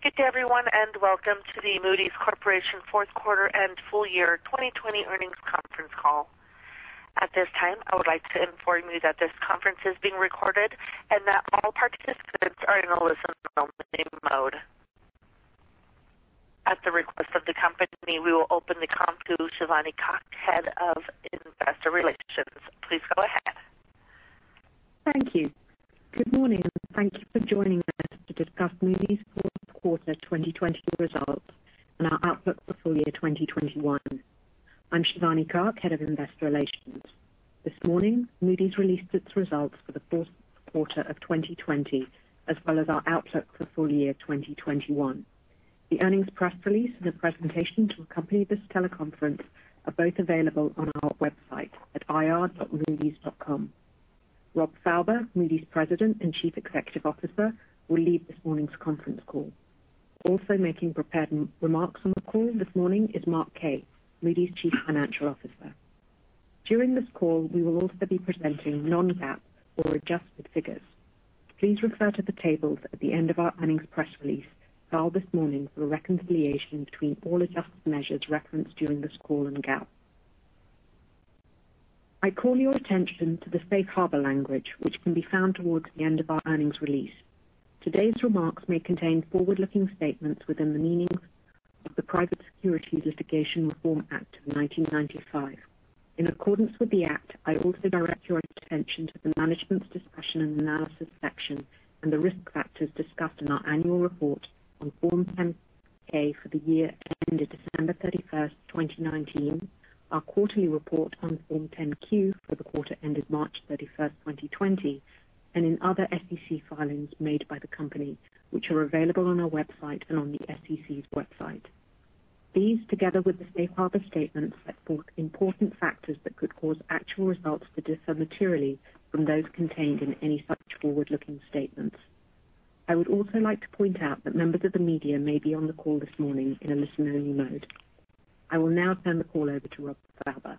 Good day everyone, and welcome to the Moody's Corporation fourth quarter and full year 2020 earnings conference call. At this time, I would like to inform you that this conference is being recorded and that all participants are in a listen-only mode. At the request of the company, we will open the conference to Shivani Kak, Head of Investor Relations, please go ahead. Thank you. Good morning, and thank you for joining us to discuss Moody's fourth quarter 2020 results and our outlook for full year 2021. I'm Shivani Kak, Head of Investor Relations. This morning, Moody's released its results for the fourth quarter of 2020, as well as our outlook for full year 2021. The earnings press release and the presentation to accompany this teleconference are both available on our website at ir.moodys.com. Rob Fauber, Moody's President and Chief Executive Officer, will lead this morning's conference call. Also making prepared remarks on the call this morning is Mark Kaye, Moody's Chief Financial Officer. During this call, we will also be presenting non-GAAP or adjusted figures. Please refer to the tables at the end of our earnings press release filed this morning for a reconciliation between all adjusted measures referenced during this call and GAAP. I call your attention to the safe harbor language, which can be found towards the end of our earnings release. Today's remarks may contain forward-looking statements within the meanings of the Private Securities Litigation Reform Act of 1995. In accordance with the act, I also direct your attention to the Management's Discussion and Analysis section and the risk factors discussed in our annual report on Form 10-K for the year ended December 31, 2019, our quarterly report on Form 10-Q for the quarter ended March 31, 2020, and in other SEC filings made by the company, which are available on our website and on the SEC's website. These, together with the safe harbor statements, set forth important factors that could cause actual results to differ materially from those contained in any such forward-looking statements. I would also like to point out that members of the media may be on the call this morning in a listen-only mode. I will now turn the call over to Rob Fauber.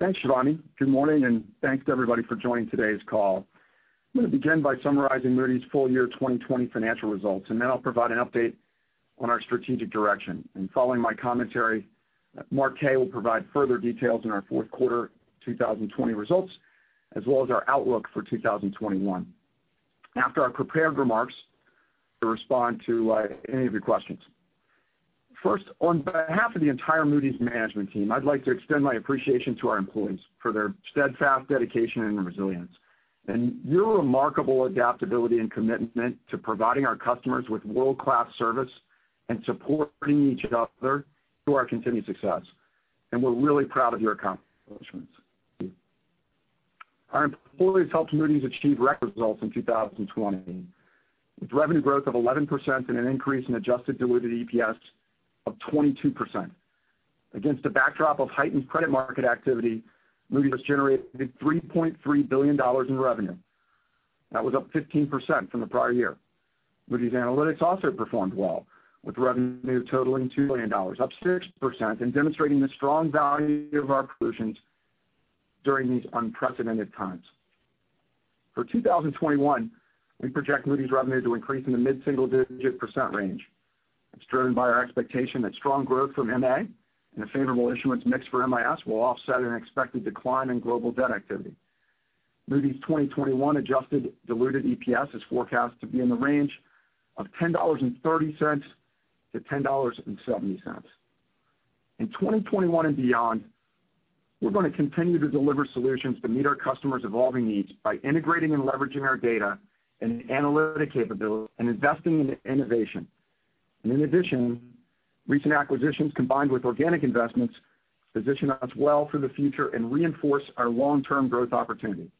Thanks, Shivani. Good morning, thanks to everybody for joining today's call. I'm going to begin by summarizing Moody's full year 2020 financial results, then I'll provide an update on our strategic direction. Following my commentary, Mark Kaye will provide further details on our fourth quarter 2020 results, as well as our outlook for 2021. After our prepared remarks, we'll respond to any of your questions. First, on behalf of the entire Moody's management team, I'd like to extend my appreciation to our employees for their steadfast dedication and resilience. Your remarkable adaptability and commitment to providing our customers with world-class service and supporting each other to our continued success, and we're really proud of your accomplishments. Our employees helped Moody's achieve record results in 2020, with revenue growth of 11% and an increase in adjusted diluted EPS of 22%. Against a backdrop of heightened credit market activity, Moody's generated $3.3 billion in revenue. That was up 15% from the prior year. Moody's Analytics also performed well, with revenue totaling $2 billion, up 6%, and demonstrating the strong value of our solutions during these unprecedented times. For 2021, we project Moody's revenue to increase in the mid-single-digit percent range. It's driven by our expectation that strong growth from MA and a favorable issuance mix for MIS will offset an expected decline in global debt activity. Moody's 2021 adjusted diluted EPS is forecast to be in the range of $10.30-$10.70. In 2021 and beyond, we're going to continue to deliver solutions that meet our customers' evolving needs by integrating and leveraging our data and analytic capability and investing in innovation. In addition, recent acquisitions, combined with organic investments, position us well for the future and reinforce our long-term growth opportunity.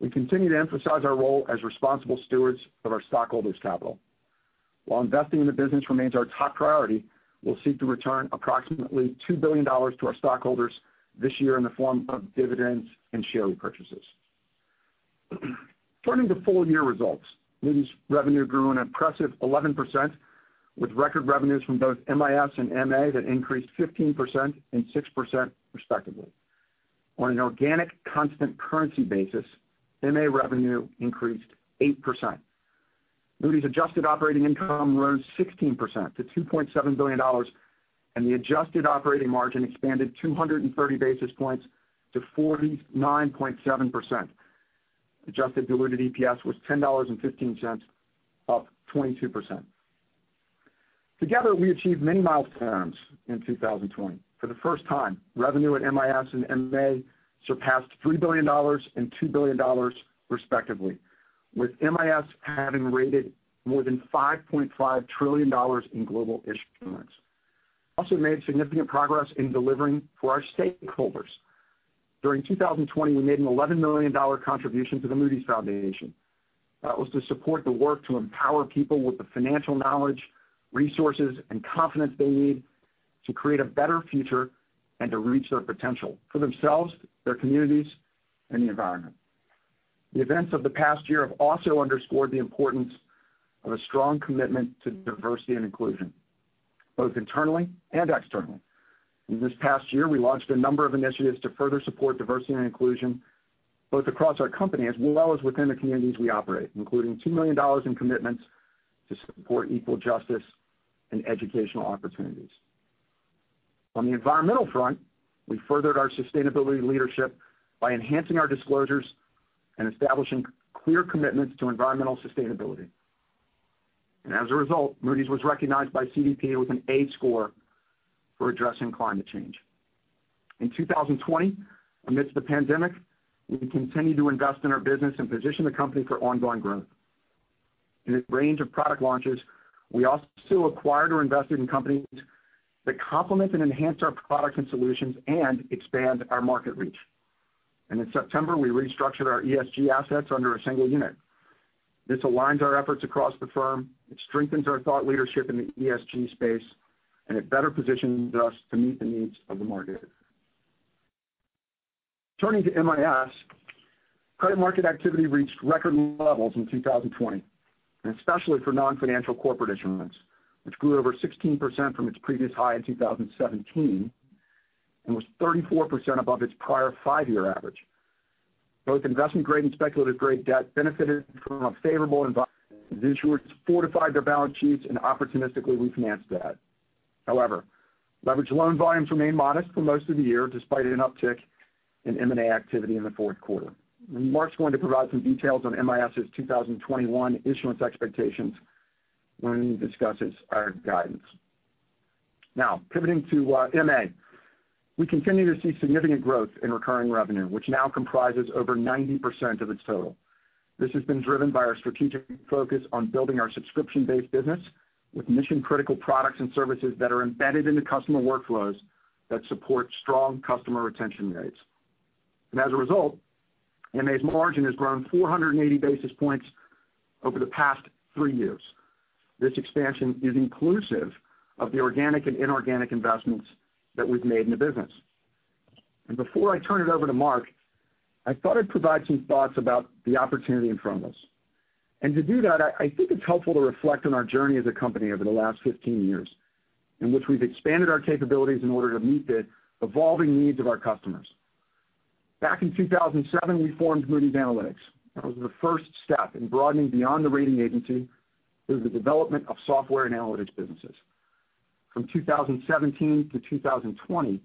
We continue to emphasize our role as responsible stewards of our stockholders' capital. While investing in the business remains our top priority, we'll seek to return approximately $2 billion to our stockholders this year in the form of dividends and share repurchases. Turning to full-year results, Moody's revenue grew an impressive 11%, with record revenues from both MIS and MA that increased 15% and 6% respectively. On an organic constant currency basis, MA revenue increased 8%. Moody's adjusted operating income rose 16% to $2.7 billion, and the adjusted operating margin expanded 230 basis points to 49.7%. Adjusted diluted EPS was $10.15, up 22%. We achieved many milestones in 2020. For the first time, revenue at MIS and MA surpassed $3 billion and $2 billion respectively, with MIS having rated more than $5.5 trillion in global issuance. We made significant progress in delivering for our stakeholders. During 2020, we made an $11 million contribution to The Moody's Foundation. That was to support the work to empower people with the financial knowledge, resources, and confidence they need to create a better future and to reach their potential for themselves, their communities, and the environment. The events of the past year have also underscored the importance of a strong commitment to diversity and inclusion, both internally and externally. In this past year, we launched a number of initiatives to further support diversity and inclusion, both across our company as well as within the communities we operate, including $2 million in commitments to support equal justice and educational opportunities. On the environmental front, we furthered our sustainability leadership by enhancing our disclosures and establishing clear commitments to environmental sustainability. As a result, Moody's was recognized by CDP with an A score for addressing climate change. In 2020, amidst the pandemic, we continued to invest in our business and position the company for ongoing growth. In a range of product launches, we also acquired or invested in companies that complement and enhance our products and solutions and expand our market reach. In September, we restructured our ESG assets under a single unit. This aligns our efforts across the firm, it strengthens our thought leadership in the ESG space, and it better positions us to meet the needs of the market. Turning to MIS, credit market activity reached record levels in 2020, and especially for non-financial corporate issuance, which grew over 16% from its previous high in 2017, and was 34% above its prior five-year average. Both investment-grade and speculative-grade debt benefited from a favorable environment as issuers fortified their balance sheets and opportunistically refinanced debt. However, leverage loan volumes remained modest for most of the year, despite an uptick in M&A activity in the fourth quarter. Mark's going to provide some details on MIS's 2021 issuance expectations when he discusses our guidance. Now, pivoting to MA. We continue to see significant growth in recurring revenue, which now comprises over 90% of its total. This has been driven by our strategic focus on building our subscription-based business with mission-critical products and services that are embedded into customer workflows that support strong customer retention rates. As a result, MA's margin has grown 480 basis points over the past three years. This expansion is inclusive of the organic and inorganic investments that we've made in the business. Before I turn it over to Mark, I thought I'd provide some thoughts about the opportunity in front of us. To do that, I think it's helpful to reflect on our journey as a company over the last 15 years, in which we've expanded our capabilities in order to meet the evolving needs of our customers. Back in 2007, we formed Moody's Analytics. That was the first step in broadening beyond the rating agency through the development of software and analytics businesses. From 2017-2020,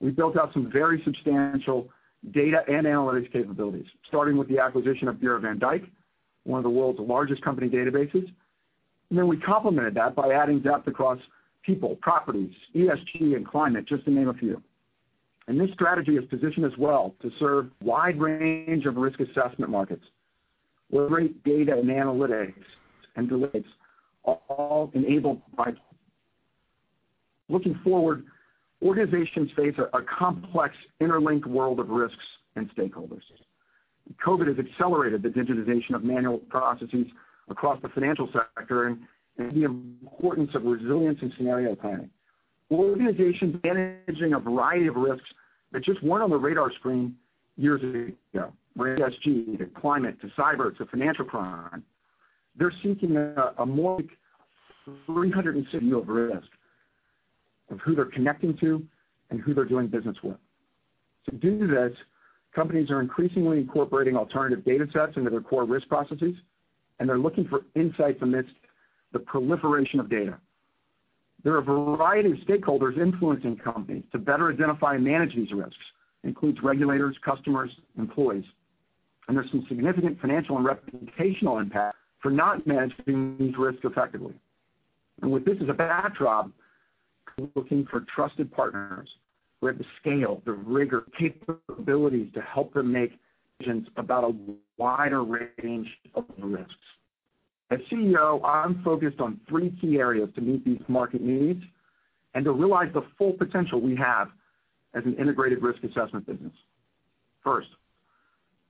we built out some very substantial data and analytics capabilities, starting with the acquisition of Bureau van Dijk, one of the world's largest company databases. We complemented that by adding depth across people, properties, ESG, and climate, just to name a few. This strategy has positioned us well to serve a wide range of risk assessment markets where data and analytics and delivery are all enabled by Moody's. Looking forward, organizations face a complex, interlinked world of risks and stakeholders. COVID has accelerated the digitization of manual processes across the financial sector and the importance of resilience and scenario planning. For organizations managing a variety of risks that just weren't on the radar screen years ago, from ESG to climate to cyber to financial crime, they're seeking a more 360 view of risk, of who they're connecting to and who they're doing business with. To do this, companies are increasingly incorporating alternative data sets into their core risk processes, and they're looking for insights amidst the proliferation of data. There are a variety of stakeholders influencing companies to better identify and manage these risks. Includes regulators, customers, employees. There's some significant financial and reputational impact for not managing these risks effectively. With this as a backdrop, looking for trusted partners who have the scale, the rigor, capabilities to help them make decisions about a wider range of risks. As Chief Executive Officer, I'm focused on three key areas to meet these market needs and to realize the full potential we have as an integrated risk assessment business. First,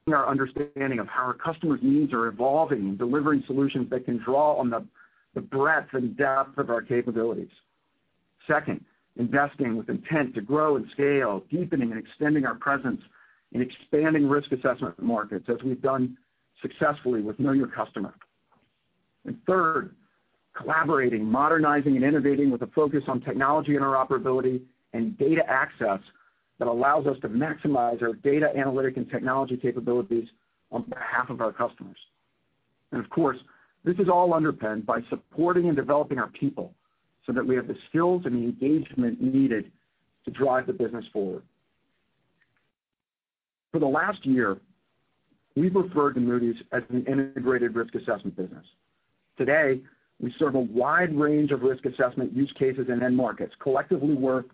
our understanding of how our customers' needs are evolving and delivering solutions that can draw on the breadth and depth of our capabilities. Second, investing with intent to grow and scale, deepening and extending our presence in expanding risk assessment markets, as we've done successfully with Know Your Customer. Third, collaborating, modernizing, and innovating with a focus on technology interoperability and data access that allows us to maximize our data analytic and technology capabilities on behalf of our customers. Of course, this is all underpinned by supporting and developing our people so that we have the skills and the engagement needed to drive the business forward. For the last year, we've referred to Moody's as an integrated risk assessment business. Today, we serve a wide range of risk assessment use cases and end markets collectively worth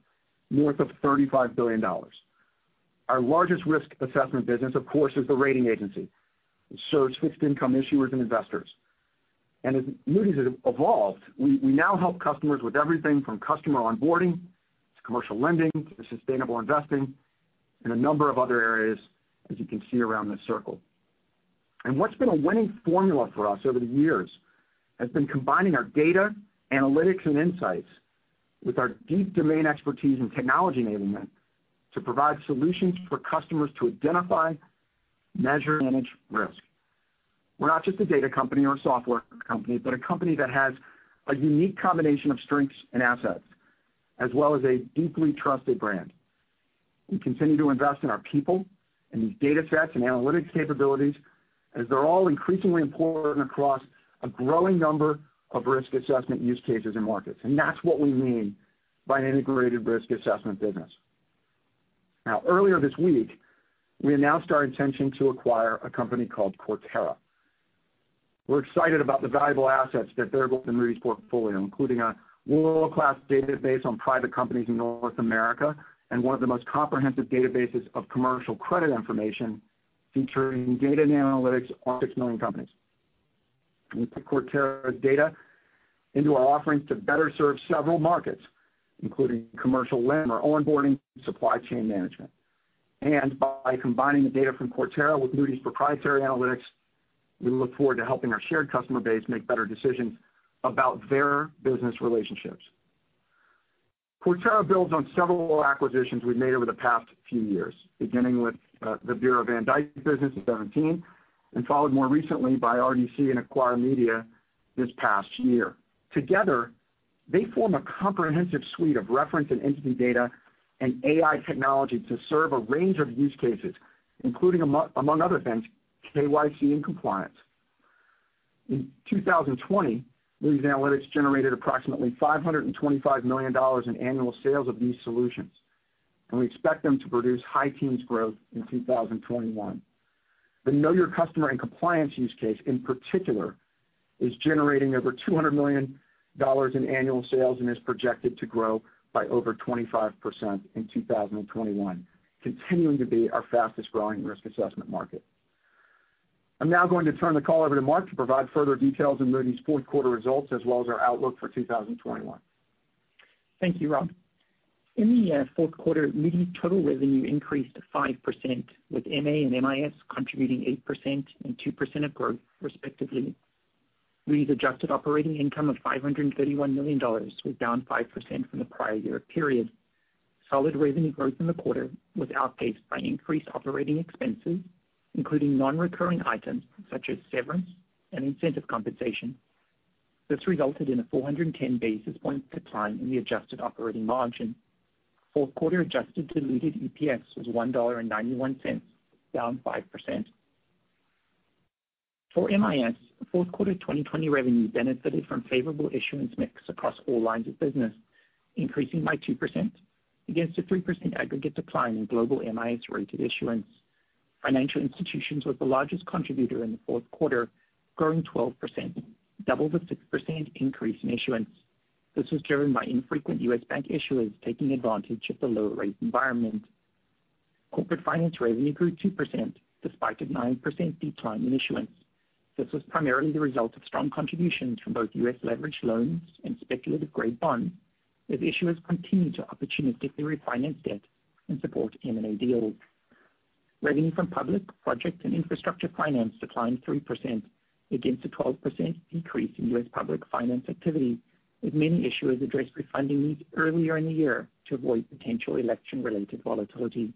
more than $35 billion. Our largest risk assessment business, of course, is the rating agency. It serves fixed-income issuers and investors. As Moody's has evolved, we now help customers with everything from customer onboarding to commercial lending to sustainable investing and a number of other areas, as you can see around this circle. What's been a winning formula for us over the years has been combining our data, analytics, and insights with our deep domain expertise in technology enablement to provide solutions for customers to identify, measure, and manage risk. We're not just a data company or a software company, but a company that has a unique combination of strengths and assets, as well as a deeply trusted brand. We continue to invest in our people and these data sets and analytics capabilities, as they're all increasingly important across a growing number of risk assessment use cases and markets. That's what we mean by an integrated risk assessment business. Now, earlier this week, we announced our intention to acquire a company called Cortera. We're excited about the valuable assets that they're building Moody's portfolio, including a world-class database on private companies in North America and one of the most comprehensive databases of commercial credit information featuring data and analytics on six million companies. We put Cortera's data into our offerings to better serve several markets, including commercial lender onboarding supply chain management. By combining the data from Cortera with Moody's proprietary analytics, we look forward to helping our shared customer base make better decisions about their business relationships. Cortera builds on several acquisitions we've made over the past few years, beginning with the Bureau van Dijk business in 2017, followed more recently by RDC and Acquire Media this past year. Together, they form a comprehensive suite of reference and entity data and AI technology to serve a range of use cases, including among other things, KYC and compliance. In 2020, Moody's Analytics generated approximately $525 million in annual sales of these solutions. We expect them to produce high-teens growth in 2021. The know your customer and compliance use case, in particular, is generating over $200 million in annual sales and is projected to grow by over 25% in 2021, continuing to be our fastest-growing risk assessment market. I'm now going to turn the call over to Mark to provide further details on Moody's fourth quarter results as well as our outlook for 2021. Thank you, Rob. In the fourth quarter, Moody's total revenue increased 5%, with MA and MIS contributing 8% and 2% of growth respectively. Moody's adjusted operating income of $531 million was down 5% from the prior year period. Solid revenue growth in the quarter was outpaced by increased operating expenses, including non-recurring items such as severance and incentive compensation. This resulted in a 410 basis point decline in the adjusted operating margin. Fourth quarter adjusted to diluted EPS was $1.91, down 5%. For MIS, fourth quarter 2020 revenue benefited from favorable issuance mix across all lines of business, increasing by 2% against a 3% aggregate decline in global MIS rated issuance. Financial institutions was the largest contributor in the fourth quarter, growing 12%, double the 6% increase in issuance. This was driven by infrequent U.S. bank issuers taking advantage of the low rate environment. Corporate finance revenue grew 2%, despite a 9% decline in issuance. This was primarily the result of strong contributions from both U.S. leveraged loans and speculative grade bonds, as issuers continued to opportunistically refinance debt and support M&A deals. Revenue from Public, Project and Infrastructure Finance declined 3% against a 12% increase in U.S. public finance activity, with many issuers addressing funding needs earlier in the year to avoid potential election-related volatility.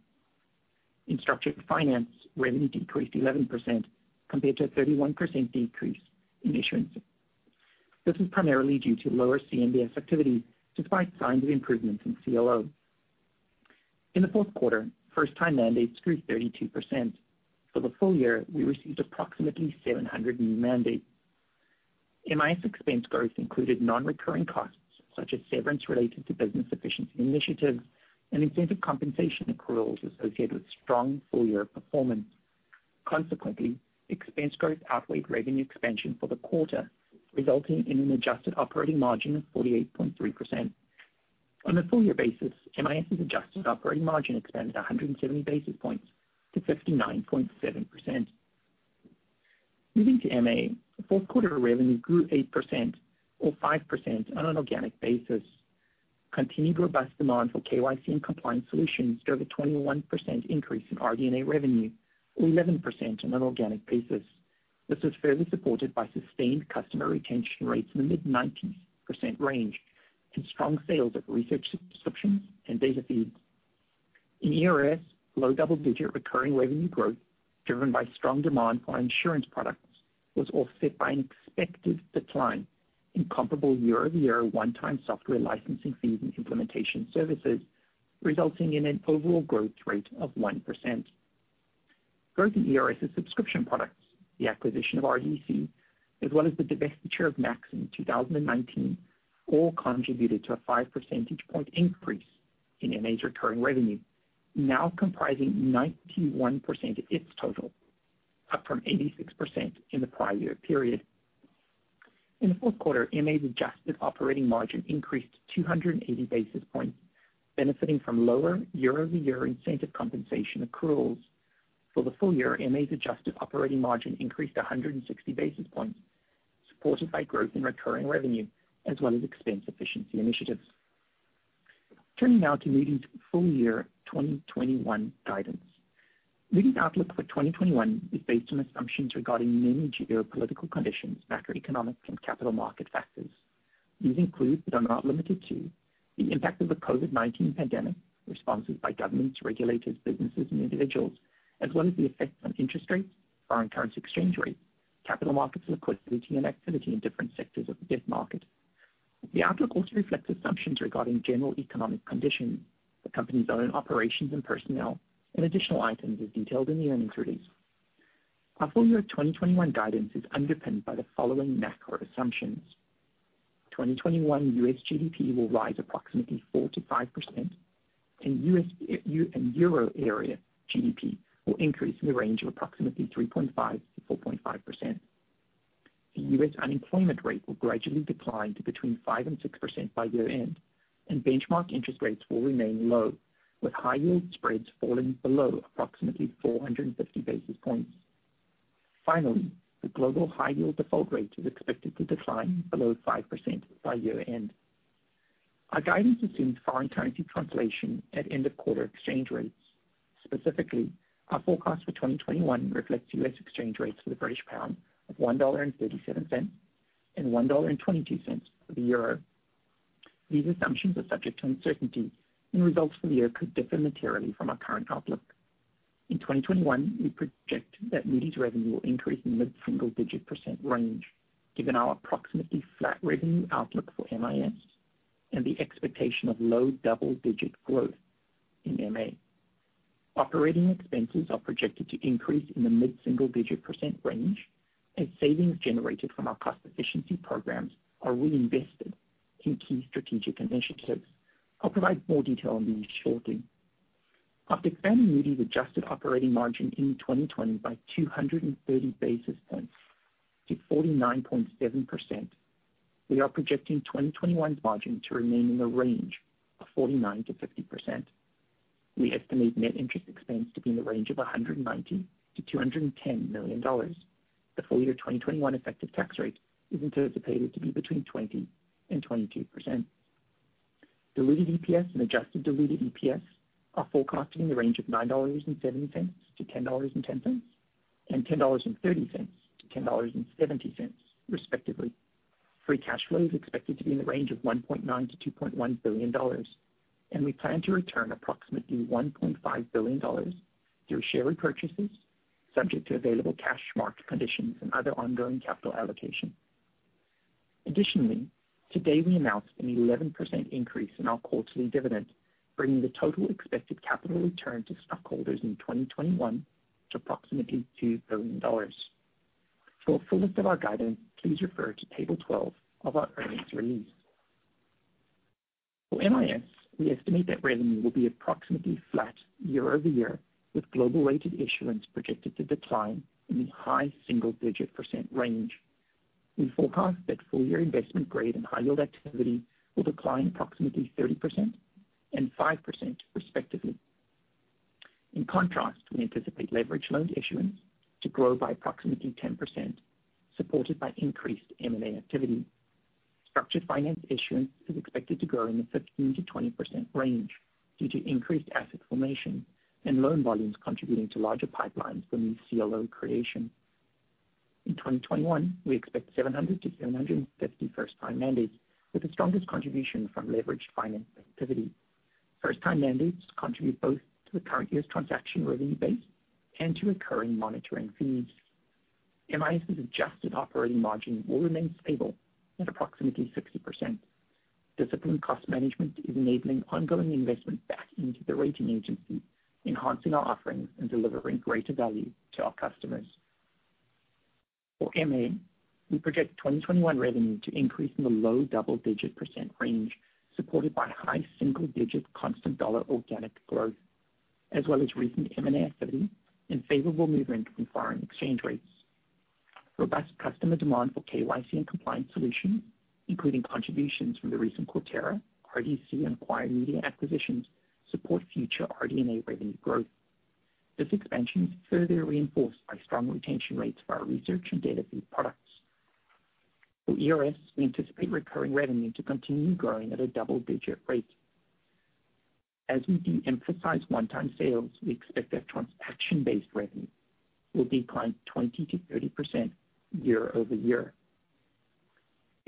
In structured finance, revenue decreased 11% compared to a 31% decrease in issuance. This is primarily due to lower CMBS activity, despite signs of improvements in CLO. In the fourth quarter, first-time mandates grew 32%. For the full year, we received approximately 700 new mandates. MIS expense growth included non-recurring costs such as severance related to business efficiency initiatives and incentive compensation accruals associated with strong full-year performance. Consequently, expense growth outweighed revenue expansion for the quarter, resulting in an adjusted operating margin of 48.3%. On a full-year basis, MIS' adjusted operating margin expanded 170 basis points to 69.7%. Moving to MA, fourth quarter revenue grew 8% or 5% on an organic basis. Continued robust demand for KYC and compliance solutions drove a 21% increase in RD&A revenue or 11% on an organic basis. This was further supported by sustained customer retention rates in the mid-90% range and strong sales of research subscriptions and data feeds. In ERS, low double-digit recurring revenue growth, driven by strong demand for our insurance products, was offset by an expected decline in comparable year-over-year one-time software licensing fees and implementation services, resulting in an overall growth rate of 1%. Growth in ERS' subscription products, the acquisition of RDC, as well as the divestiture of [MAKS] in 2019, all contributed to a 5 percentage point increase in MA's recurring revenue, now comprising 91% of its total, up from 86% in the prior year period. In the fourth quarter, MA's adjusted operating margin increased 280 basis points, benefiting from lower year-over-year incentive compensation accruals. For the full year, MA's adjusted operating margin increased 160 basis points, supported by growth in recurring revenue as well as expense efficiency initiatives. Turning now to Moody's full year 2021 guidance. Moody's outlook for 2021 is based on assumptions regarding many geopolitical conditions, macroeconomic and capital market factors. These include, but are not limited to, the impact of the COVID-19 pandemic, responses by governments, regulators, businesses, and individuals, as well as the effects on interest rates, foreign currency exchange rates, capital markets, liquidity and activity in different sectors of the debt market. The outlook also reflects assumptions regarding general economic conditions, the company's own operations and personnel, and additional items as detailed in the earnings release. Our full year 2021 guidance is underpinned by the following macro assumptions. 2021 U.S. GDP will rise approximately 4%-5%, and Euro area GDP will increase in the range of approximately 3.5%-4.5%. The U.S. unemployment rate will gradually decline to between 5% and 6% by year-end, and benchmark interest rates will remain low, with high yield spreads falling below approximately 450 basis points. Finally, the global high yield default rate is expected to decline below 5% by year-end. Our guidance assumes foreign currency translation at end-of-quarter exchange rates. Specifically, our forecast for 2021 reflects U.S. exchange rates for the British pound of $1.37, and $1.22 for the euro. These assumptions are subject to uncertainty, and results for the year could differ materially from our current outlook. In 2021, we project that Moody's revenue will increase in the mid-single digit percentage range, given our approximately flat revenue outlook for MIS and the expectation of low double-digit growth in MA. Operating expenses are projected to increase in the mid-single digit percentage range as savings generated from our cost efficiency programs are reinvested in key strategic initiatives. I'll provide more detail on these shortly. After expanding Moody's adjusted operating margin in 2020 by 230 basis points to 49.7%, we are projecting 2021's margin to remain in the range of 49%-50%. We estimate net interest expense to be in the range of $190 million-$210 million. The full year 2021 effective tax rate is anticipated to be between 20% and 22%. Diluted EPS and adjusted diluted EPS are forecasted in the range of $9.70-$10.10, and $10.30-$10.70 respectively. Free cash flow is expected to be in the range of $1.9 billion-$2.1 billion, and we plan to return approximately $1.5 billion through share repurchases subject to available cash market conditions and other ongoing capital allocation. Additionally, today we announced an 11% increase in our quarterly dividend, bringing the total expected capital return to stockholders in 2021 to approximately $2 billion. For a full list of our guidance, please refer to table 12 of our earnings release. For MIS, we estimate that revenue will be approximately flat year-over-year, with global rated issuance projected to decline in the high single-digit percent range. We forecast that full year investment grade and high yield activity will decline approximately 30% and 5% respectively. In contrast, we anticipate leveraged loan issuance to grow by approximately 10%, supported by increased M&A activity. Structured finance issuance is expected to grow in the 15%-20% range due to increased asset formation and loan volumes contributing to larger pipelines from CLO creation. In 2021, we expect 700-750 first-time mandates with the strongest contribution from leveraged finance activity. First-time mandates contribute both to the current year's transaction revenue base and to recurring monitoring fees. MIS' adjusted operating margin will remain stable at approximately 60%. Disciplined cost management is enabling ongoing investment back into the rating agency, enhancing our offerings and delivering greater value to our customers. For MA, we project 2021 revenue to increase in the low double-digit percent range, supported by high single-digit constant dollar organic growth, as well as recent M&A activity and favorable movement in foreign exchange rates. Robust customer demand for KYC and compliance solutions, including contributions from the recent Cortera, RDC, and Acquire Media acquisitions, support future RD&A revenue growth. This expansion is further reinforced by strong retention rates for our research and database products. For ERS, we anticipate recurring revenue to continue growing at a double-digit rate. As we de-emphasize one-time sales, we expect that transaction-based revenue will decline 20%-30% year-over-year.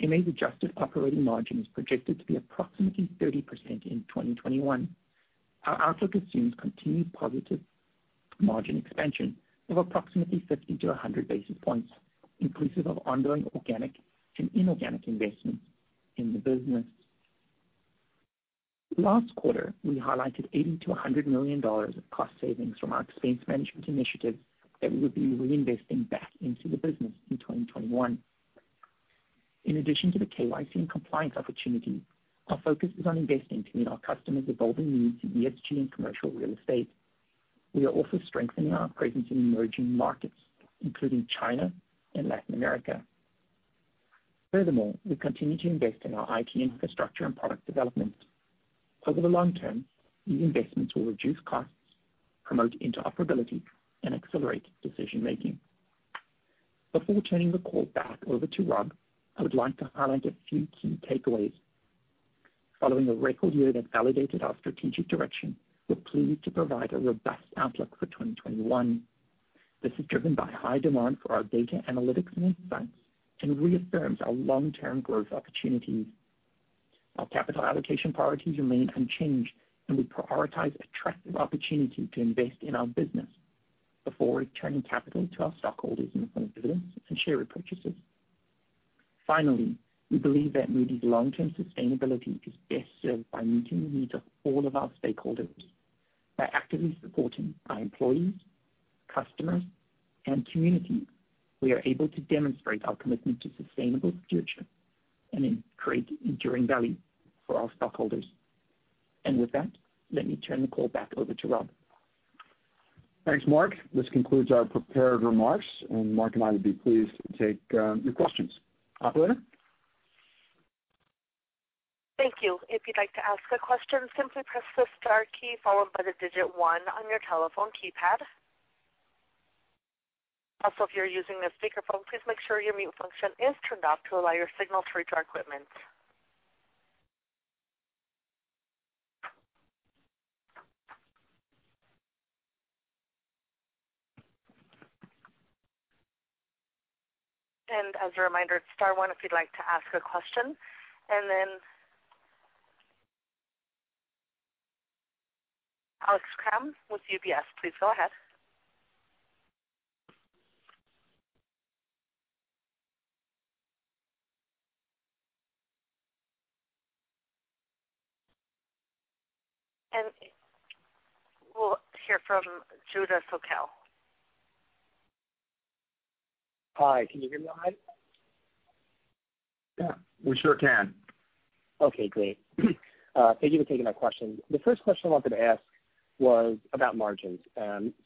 MA's adjusted operating margin is projected to be approximately 30% in 2021. Our outlook assumes continued positive margin expansion of approximately 50-100 basis points, inclusive of ongoing organic and inorganic investments in the business. Last quarter, we highlighted $80 million-$100 million of cost savings from our expense management initiative that we would be reinvesting back into the business in 2021. In addition to the KYC and compliance opportunity, our focus is on investing to meet our customers' evolving needs in ESG and commercial real estate. We are also strengthening our presence in emerging markets, including China and Latin America. Furthermore, we continue to invest in our IT infrastructure and product development. Over the long term, these investments will reduce costs, promote interoperability, and accelerate decision-making. Before turning the call back over to Rob, I would like to highlight a few key takeaways. Following a record year that validated our strategic direction, we're pleased to provide a robust outlook for 2021. This is driven by high demand for our data analytics and insights, and reaffirms our long-term growth opportunities. Our capital allocation priorities remain unchanged, and we prioritize attractive opportunities to invest in our business before returning capital to our stockholders in the form of dividends and share repurchases. Finally, we believe that Moody's long-term sustainability is best served by meeting the needs of all of our stakeholders. By actively supporting our employees, customers, and communities, we are able to demonstrate our commitment to sustainable future and create enduring value for our stockholders. With that, let me turn the call back over to Rob. Thanks, Mark. This concludes our prepared remarks, and Mark and I would be pleased to take your questions. Operator? Thank you. If you'd like to ask a question, simply press the star key followed by the digit 1 on your telephone keypad. If you're using a speakerphone, please make sure your mute function is turned off to allow your signal to reach our equipment. As a reminder, star one if you'd like to ask a question. Alex Kramm with UBS, please go ahead. We'll hear from Judah Sokel. Hi, can you hear me all right? Yeah, we sure can. Okay, great. Thank you for taking my question. The first question I wanted to ask was about margins,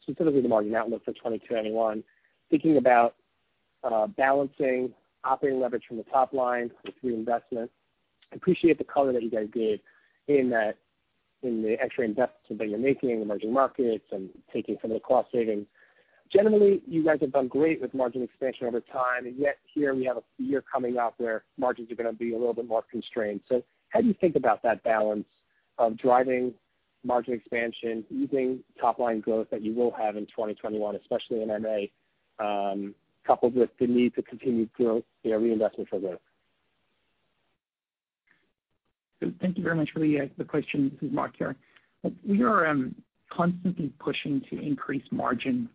specifically the margin outlook for 2021, thinking about balancing operating leverage from the top line with reinvestment. Appreciate the color that you guys gave in the extra investments that you're making in emerging markets and taking some of the cost savings. Generally, you guys have done great with margin expansion over time, yet here we have a year coming up where margins are going to be a little bit more constrained. How do you think about that balance of driving margin expansion using top-line growth that you will have in 2021, especially in MA, coupled with the need to continue growth via reinvestment for growth? Thank you very much for the question. This is Mark here. We are constantly pushing to increase margin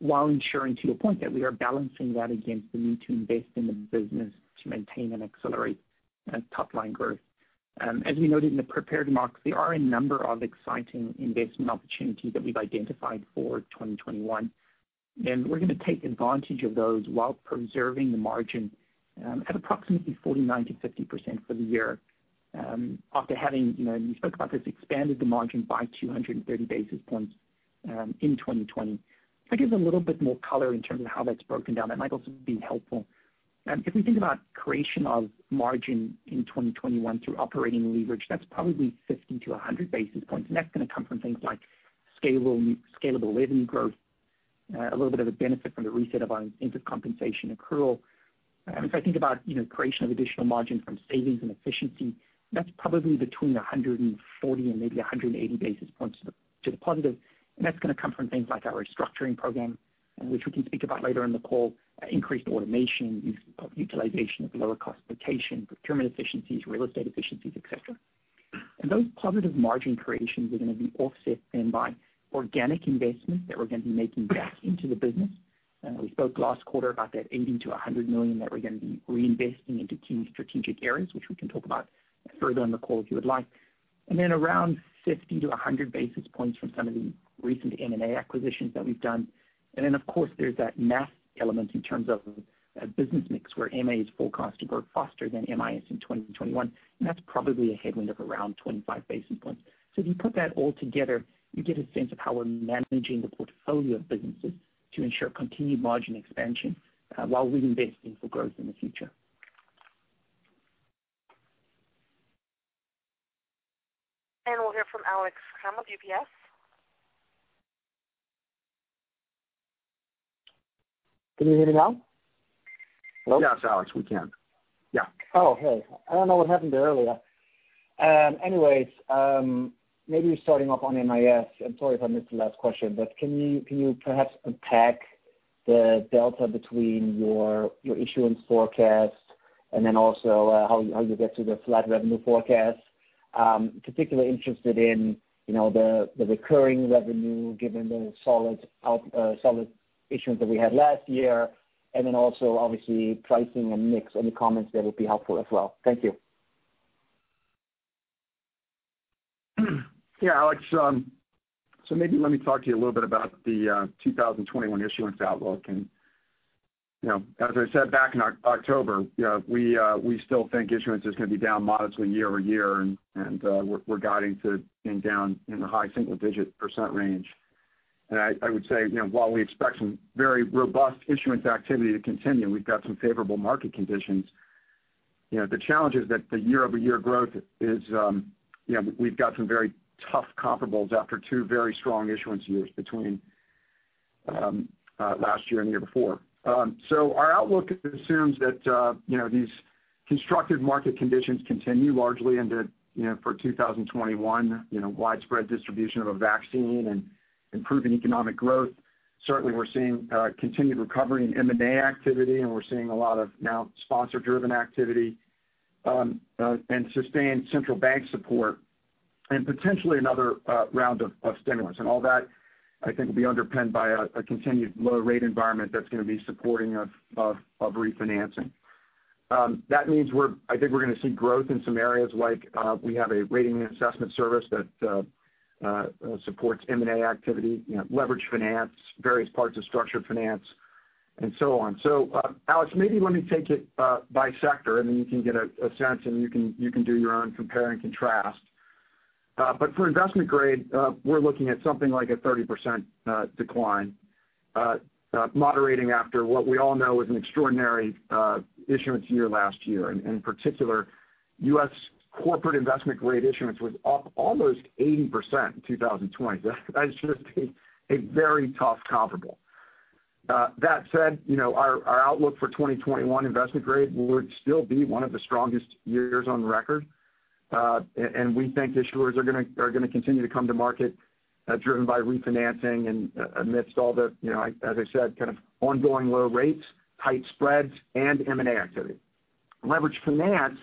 while ensuring to your point that we are balancing that against the need to invest in the business to maintain and accelerate top-line growth. As we noted in the prepared remarks, there are a number of exciting investment opportunities that we've identified for 2021, and we're going to take advantage of those while preserving the margin at approximately 49%-50% for the year after having, and we spoke about this, expanded the margin by 230 basis points in 2020. If I give a little bit more color in terms of how that's broken down, that might also be helpful. If we think about creation of margin in 2021 through operating leverage, that's probably 50 basis points-100 basis points, and that's going to come from things like scalable revenue growth, a little bit of a benefit from the reset of our interest compensation accrual. If I think about creation of additional margin from savings and efficiency, that's probably between 140 basis points and maybe 180 basis points to the positive. That's going to come from things like our restructuring program, which we can speak about later in the call, increased automation, utilization of lower-cost locations, procurement efficiencies, real estate efficiencies, et cetera. Those positive margin creations are going to be offset then by organic investments that we're going to be making back into the business. We spoke last quarter about that $80 million-$100 million that we're going to be reinvesting into key strategic areas, which we can talk about further in the call if you would like. Around 50 basis points-100 basis points from some of the recent M&A acquisitions that we've done. Of course, there's that math element in terms of business mix where MA is full cost of work faster than MIS in 2021, and that's probably a headwind of around 25 basis points. If you put that all together, you get a sense of how we're managing the portfolio of businesses to ensure continued margin expansion while we invest in for growth in the future. We'll hear from Alex Kramm of UBS. Can you hear me now? Hello? Yes, Alex, we can. Yeah. Oh, hey. I don't know what happened there earlier. Anyways, maybe starting off on MIS, and sorry if I missed the last question, but can you perhaps unpack the delta between your issuance forecast and then also how you get to the flat revenue forecast? I am particularly interested in the recurring revenue given the solid issuance that we had last year, and then also obviously pricing and mix. Any comments there would be helpful as well. Thank you. Yeah, Alex. Maybe let me talk to you a little bit about the 2021 issuance outlook. As I said back in October, we still think issuance is going to be down modestly year-over-year, and we're guiding to being down in the high single-digit percent range. I would say, while we expect some very robust issuance activity to continue, we've got some favorable market conditions. The challenge is that the year-over-year growth is we've got some very tough comparables after two very strong issuance years between last year and the year before. Our outlook assumes that these constructive market conditions continue largely and that for 2021, widespread distribution of a vaccine and improving economic growth. Certainly, we're seeing continued recovery in M&A activity, and we're seeing a lot of now sponsor-driven activity, and sustained central bank support, and potentially another round of stimulus. All that, I think, will be underpinned by a continued low rate environment that's going to be supporting of refinancing. That means I think we're going to see growth in some areas like we have a rating and assessment service that supports M&A activity, leverage finance, various parts of structured finance, and so on. Alex, maybe let me take it by sector, and then you can get a sense, and you can do your own compare and contrast. For investment grade, we're looking at something like a 30% decline, moderating after what we all know was an extraordinary issuance year last year. In particular, U.S. corporate investment-grade issuance was up almost 80% in 2020. That is just a very tough comparable. That said, our outlook for 2021 investment grade would still be one of the strongest years on record. We think issuers are going to continue to come to market driven by refinancing and amidst all the, as I said, kind of ongoing low rates, tight spreads, and M&A activity. Leverage finance,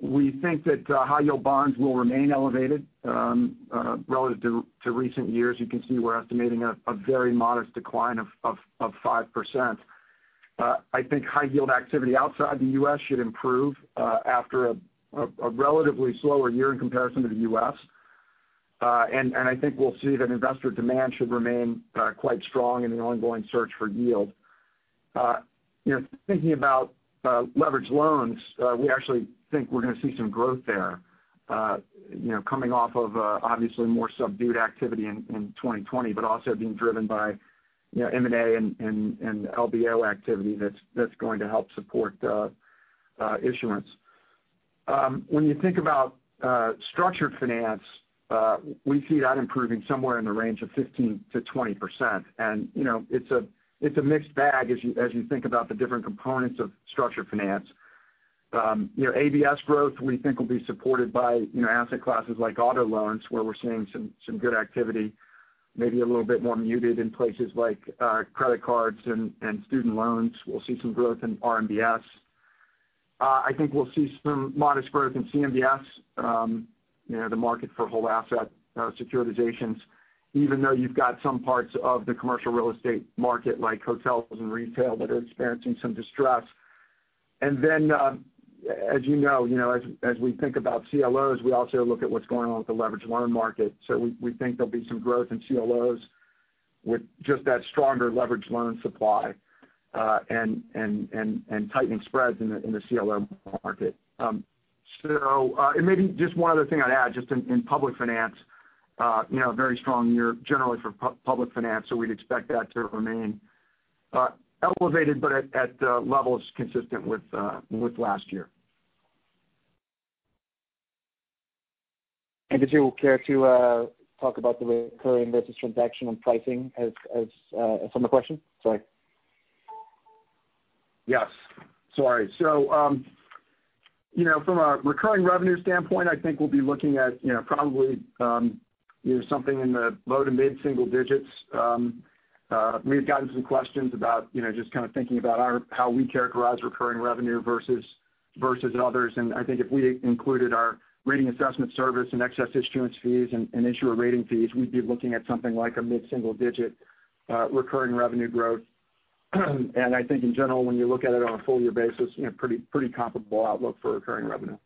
we think that high-yield bonds will remain elevated relative to recent years. You can see we're estimating a very modest decline of 5%. I think high-yield activity outside the U.S. should improve after a relatively slower year in comparison to the U.S. I think we'll see that investor demand should remain quite strong in the ongoing search for yield. Thinking about leverage loans, we actually think we're going to see some growth there coming off of obviously more subdued activity in 2020, but also being driven by M&A and LBO activity that's going to help support the issuance. When you think about structured finance, we see that improving somewhere in the range of 15%-20%. It's a mixed bag as you think about the different components of structured finance. ABS growth we think will be supported by asset classes like auto loans, where we're seeing some good activity. Maybe a little bit more muted in places like credit cards and student loans. We'll see some growth in RMBS. I think we'll see some modest growth in CMBS, the market for whole asset securitizations, even though you've got some parts of the commercial real estate market like hotels and retail that are experiencing some distress. As you know, as we think about CLOs, we also look at what's going on with the leverage loan market. We think there'll be some growth in CLOs with just that stronger leverage loan supply and tightening spreads in the CLO market. Maybe just one other thing I'd add, just in public finance, a very strong year generally for public finance. We'd expect that to remain elevated, but at levels consistent with last year. Did you care to talk about the recurring versus transactional pricing as a follow up question? Sorry. Yes. Sorry. From a recurring revenue standpoint, I think we'll be looking at probably something in the low to mid-single digits. We've gotten some questions about just kind of thinking about how we characterize recurring revenue versus others. I think if we included our rating assessment service and excess issuance fees and issuer rating fees, we'd be looking at something like a mid-single digit recurring revenue growth. I think in general, when you look at it on a full year basis, pretty comparable outlook for recurring revenue.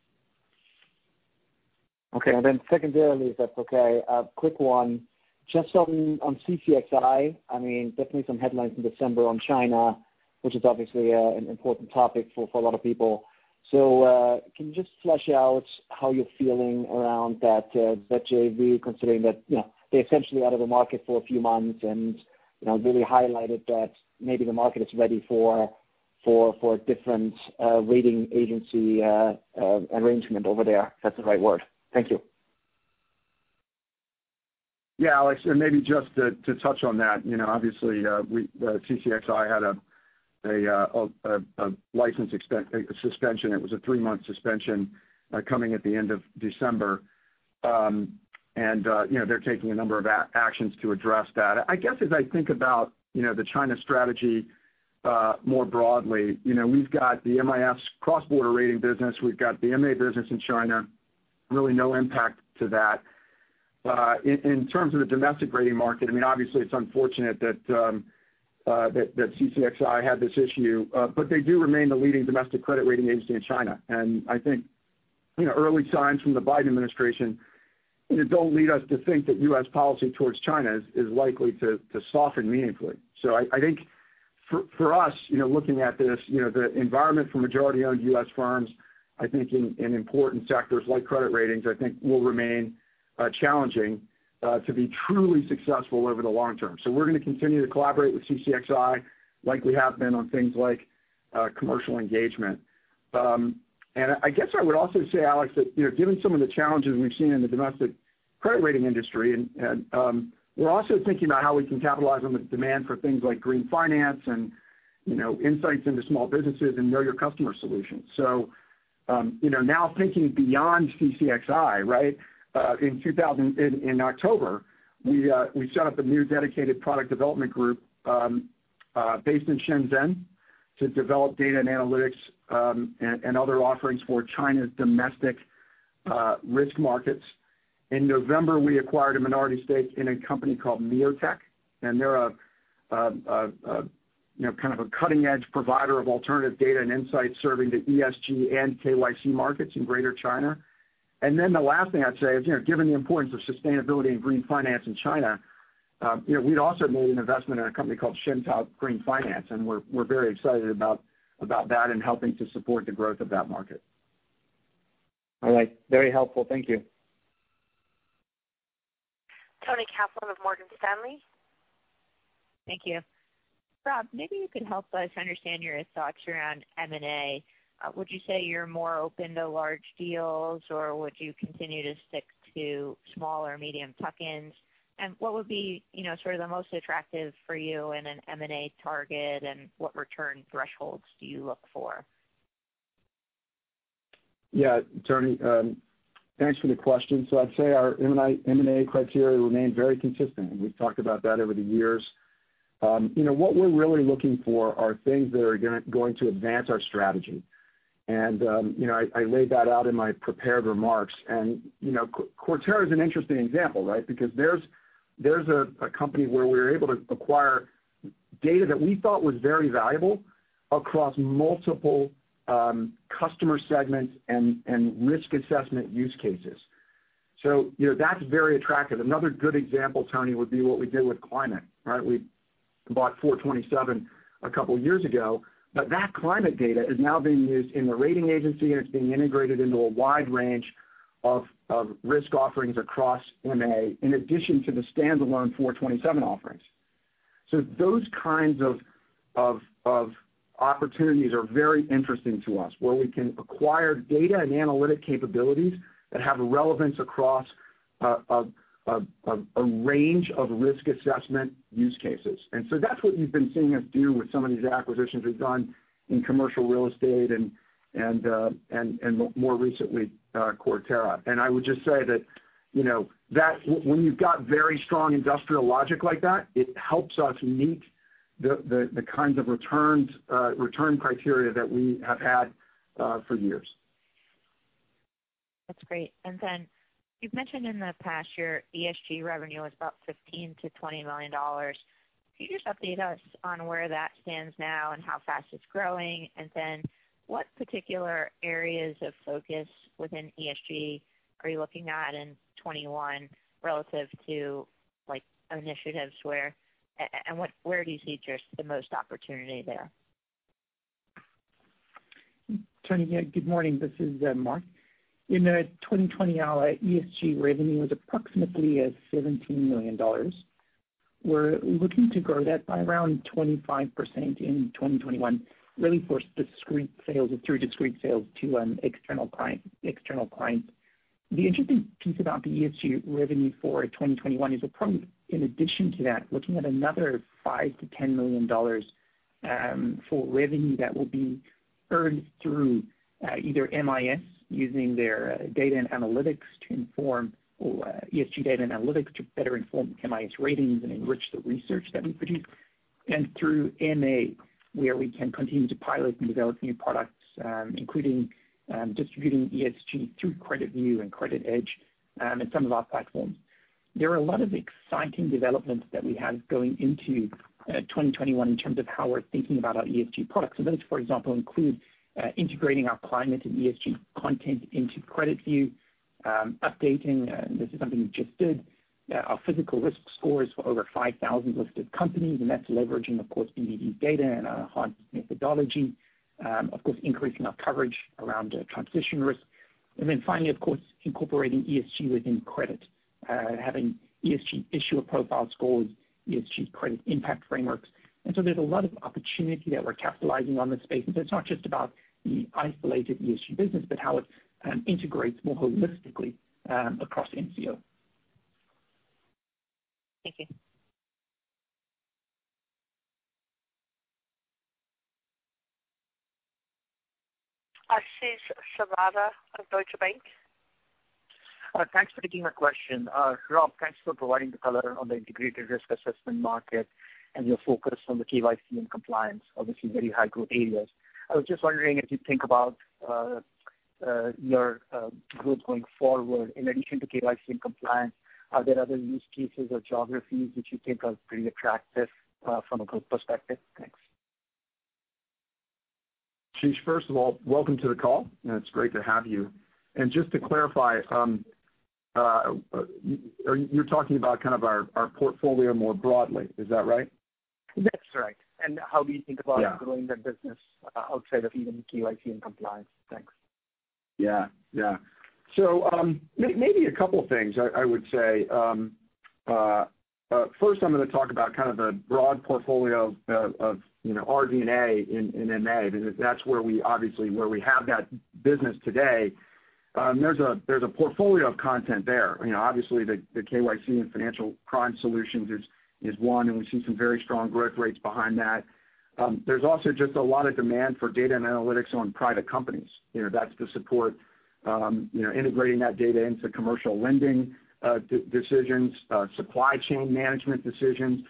Okay. Secondarily, if that's okay, a quick one. Just on CCXI, definitely some headlines in December on China, which is obviously an important topic for a lot of people. Can you just flesh out how you're feeling around that you're really considering that they're essentially out of the market for a few months and really highlighted that maybe the market is ready for a different rating agency arrangement over there, if that's the right word? Thank you. Yeah, Alex, maybe just to touch on that, obviously CCXI had a license suspension. It was a three-month suspension coming at the end of December. They're taking a number of actions to address that. I guess as I think about the China strategy more broadly, we've got the MIS cross-border rating business. We've got the MA business in China. Really no impact to that. In terms of the domestic rating market, obviously it's unfortunate that CCXI had this issue. They do remain the leading domestic credit rating agency in China. I think early signs from the Biden administration don't lead us to think that U.S. policy towards China is likely to soften meaningfully. I think for us, looking at this, the environment for majority-owned U.S. firms in important sectors like credit ratings will remain challenging to be truly successful over the long term. We're going to continue to collaborate with CCXI like we have been on things like commercial engagement. I guess I would also say, Alex, that given some of the challenges we've seen in the domestic credit rating industry, we're also thinking about how we can capitalize on the demand for things like green finance and insights into small businesses and know your customer solutions. Now thinking beyond CCXI, right? in 2000 in October, we set up a new dedicated product development group based in Shenzhen to develop data and analytics and other offerings for China's domestic risk markets. In November, we acquired a minority stake in a company called MioTech, and they're kind of a cutting-edge provider of alternative data and insights serving the ESG and KYC markets in Greater China. The last thing I'd say is, given the importance of sustainability and green finance in China, we'd also made an investment in a company called SynTao Green Finance, and we're very excited about that and helping to support the growth of that market. All right. Very helpful. Thank you. Toni Kaplan with Morgan Stanley. Thank you. Rob, maybe you can help us understand your thoughts around M&A. Would you say you're more open to large deals, or would you continue to stick to small or medium tuck-ins? What would be sort of the most attractive for you in an M&A target, and what return thresholds do you look for? Yeah. Toni, thanks for the question. I'd say our M&A criteria remain very consistent, and we've talked about that over the years. What we're really looking for are things that are going to advance our strategy. I laid that out in my prepared remarks. Cortera is an interesting example, right? Because there's a company where we were able to acquire data that we thought was very valuable across multiple customer segments and risk assessment use cases. That's very attractive. Another good example, Toni, would be what we did with climate, right? We bought 427 a couple of years ago, but that climate data is now being used in the rating agency, and it's being integrated into a wide range of risk offerings across MA, in addition to the standalone 427 offerings. Those kinds of opportunities are very interesting to us, where we can acquire data and analytic capabilities that have relevance across a range of risk assessment use cases. That's what you've been seeing us do with some of these acquisitions we've done in commercial real estate and more recently Cortera. I would just say that when you've got very strong industrial logic like that, it helps us meet the kinds of return criteria that we have had for years. That's great. Then you've mentioned in the past your ESG revenue was about $15 million-$20 million. Can you just update us on where that stands now and how fast it's growing? Then what particular areas of focus within ESG are you looking at in 2021 relative to initiatives where, and where do you see just the most opportunity there? Toni, good morning. This is Mark. In 2020, our ESG revenue was approximately at $17 million. We're looking to grow that by around 25% in 2021, really through discrete sales to external clients. The interesting piece about the ESG revenue for 2021 is, of course, in addition to that, looking at another $5 million-$10 million for revenue that will be earned through either MIS using their data and analytics to inform or ESG data and analytics to better inform MIS ratings and enrich the research that we produce. Through MA, where we can continue to pilot and develop new products, including distributing ESG through CreditView and CreditEdge in some of our platforms. There are a lot of exciting developments that we have going into 2021 in terms of how we're thinking about our ESG products. Those, for example, include integrating our climate and ESG content into CreditView, updating, and this is something we just did, our physical risk scores for over 5,000 listed companies, and that's leveraging, of course, BvD data and our [HÅRD] methodology. Of course, increasing our coverage around transition risk. Finally, of course, incorporating ESG within credit, having ESG issuer profile scores, ESG credit impact frameworks. There's a lot of opportunity that we're capitalizing on this space. It's not just about the isolated ESG business, but how it integrates more holistically across MCO. Thank you. Ashish Sabadra of Deutsche Bank. Thanks for taking my question. Rob, thanks for providing the color on the integrated risk assessment market and your focus on the KYC and compliance, obviously very high growth areas. I was just wondering if you think about your growth going forward, in addition to KYC and compliance, are there other use cases or geographies which you think are pretty attractive from a group perspective? Thanks. Ashish, first of all, welcome to the call, and it's great to have you. Just to clarify, you're talking about kind of our portfolio more broadly. Is that right? That's right. Yeah Growing the business outside of even KYC and compliance. Thanks. Yeah. Maybe a couple things I would say. First, I'm going to talk about kind of the broad portfolio of RD&A in MA, because that's obviously where we have that business today. There's a portfolio of content there. Obviously, the KYC and financial crime solutions is one, and we see some very strong growth rates behind that. There's also just a lot of demand for data and analytics on private companies. That's to support integrating that data into commercial lending decisions, supply chain management decisions.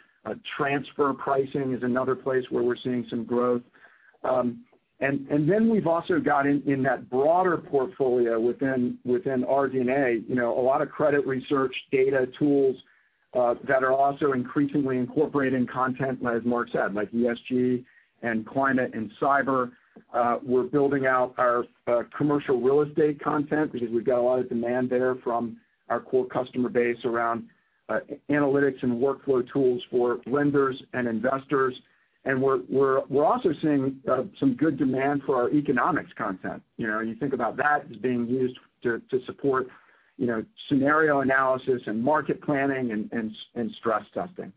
Transfer pricing is another place where we're seeing some growth. Then we've also got in that broader portfolio within RD&A, a lot of credit research data tools that are also increasingly incorporating content, as Mark said, like ESG and climate and cyber. We're building out our commercial real estate content because we've got a lot of demand there from our core customer base around analytics and workflow tools for lenders and investors. We're also seeing some good demand for our economics content. You think about that as being used to support scenario analysis and market planning and stress testing.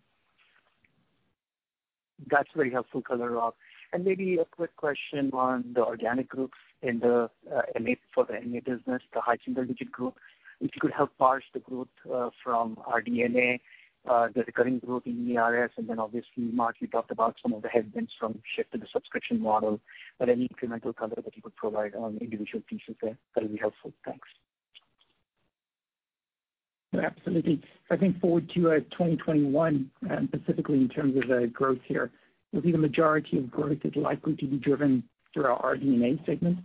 That's very helpful color, Rob. Maybe a quick question on the organic growth for the MA business, the high single-digit group, if you could help parse the growth from RD&A, the recurring growth in ERS, then obviously, Mark, you talked about some of the headwinds from shift to the subscription model. Any incremental color that you could provide on individual pieces there, that'll be helpful. Thanks. Absolutely. I think forward to 2021, specifically in terms of growth here, we think the majority of growth is likely to be driven through our RD&A segment.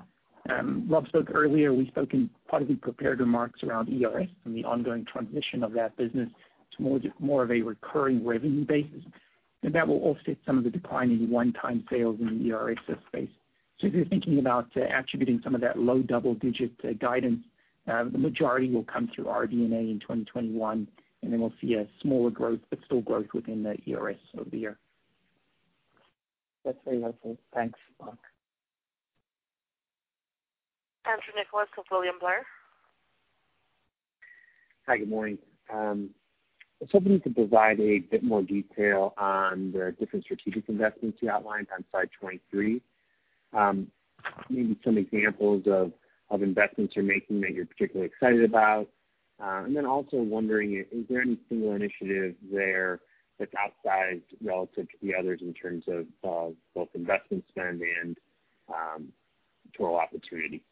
Rob spoke earlier, we spoke in part of the prepared remarks around ERS and the ongoing transition of that business to more of a recurring revenue basis. That will offset some of the decline in one-time sales in the ERS space. If you're thinking about attributing some of that low double-digit guidance, the majority will come through RD&A in 2021, then we'll see a smaller growth but still growth within the ERS over the year. That's very helpful. Thanks, Mark. Andrew Nicholas with William Blair. Hi, good morning? I was hoping you could provide a bit more detail on the different strategic investments you outlined on slide 23. Maybe some examples of investments you're making that you're particularly excited about. Also wondering, is there any single initiative there that's outsized relative to the others in terms of both investment spend and total opportunity?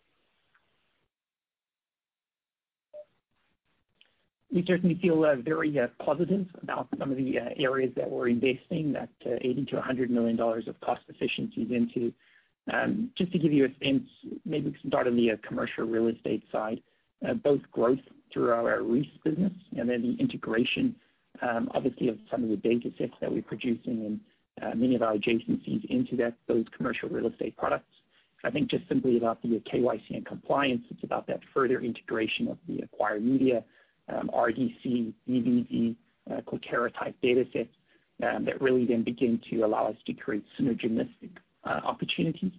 We certainly feel very positive about some of the areas that we're investing that $80 million-$100 million of cost efficiencies into. Just to give you a sense, maybe we can start on the commercial real estate side. Both growth through our Reis business and then the integration, obviously, of some of the datasets that we're producing and many of our adjacencies into those commercial real estate products. I think just simply about the KYC and compliance, it's about that further integration of the Acquire Media, RDC, BvD, Cortera-type datasets that really then begin to allow us to create synergistic opportunities.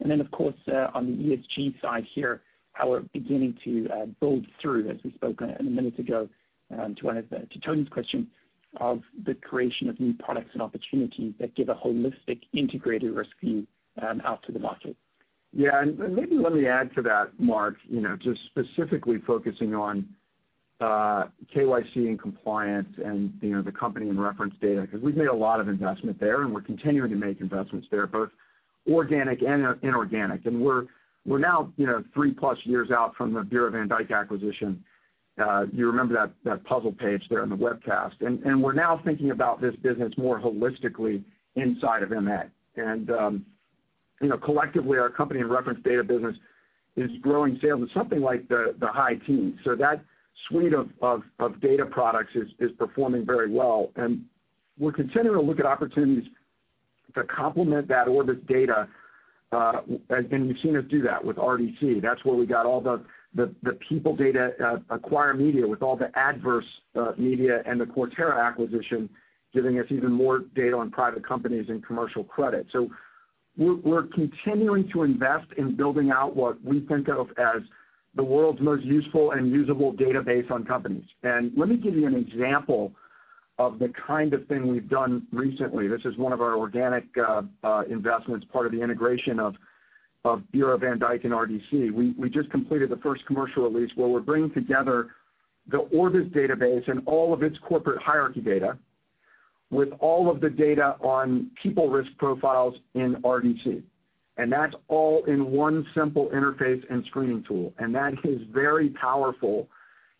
Of course, on the ESG side here, how we're beginning to build through, as we spoke a minute ago to Toni's question, of the creation of new products and opportunities that give a holistic integrated risk view out to the market. Maybe let me add to that, Mark, just specifically focusing on KYC and compliance and the company and reference data, because we've made a lot of investment there and we're continuing to make investments there, both organic and inorganic. We're now 3+ years out from the Bureau van Dijk acquisition. You remember that puzzle page there on the webcast. We're now thinking about this business more holistically inside of MA. Collectively, our company and reference data business is growing sales of something like the high teens. That suite of data products is performing very well. We're continuing to look at opportunities to complement that Orbis data. You've seen us do that with RDC. That's where we got all the people data Acquire Media with all the adverse media and the Cortera acquisition, giving us even more data on private companies and commercial credit. We're continuing to invest in building out what we think of as the world's most useful and usable database on companies. Let me give you an example of the kind of thing we've done recently. This is one of our organic investments, part of the integration of Bureau van Dijk and RDC. We just completed the first commercial release where we're bringing together the Orbis database and all of its corporate hierarchy data with all of the data on people risk profiles in RDC. That's all in one simple interface and screening tool. That is very powerful.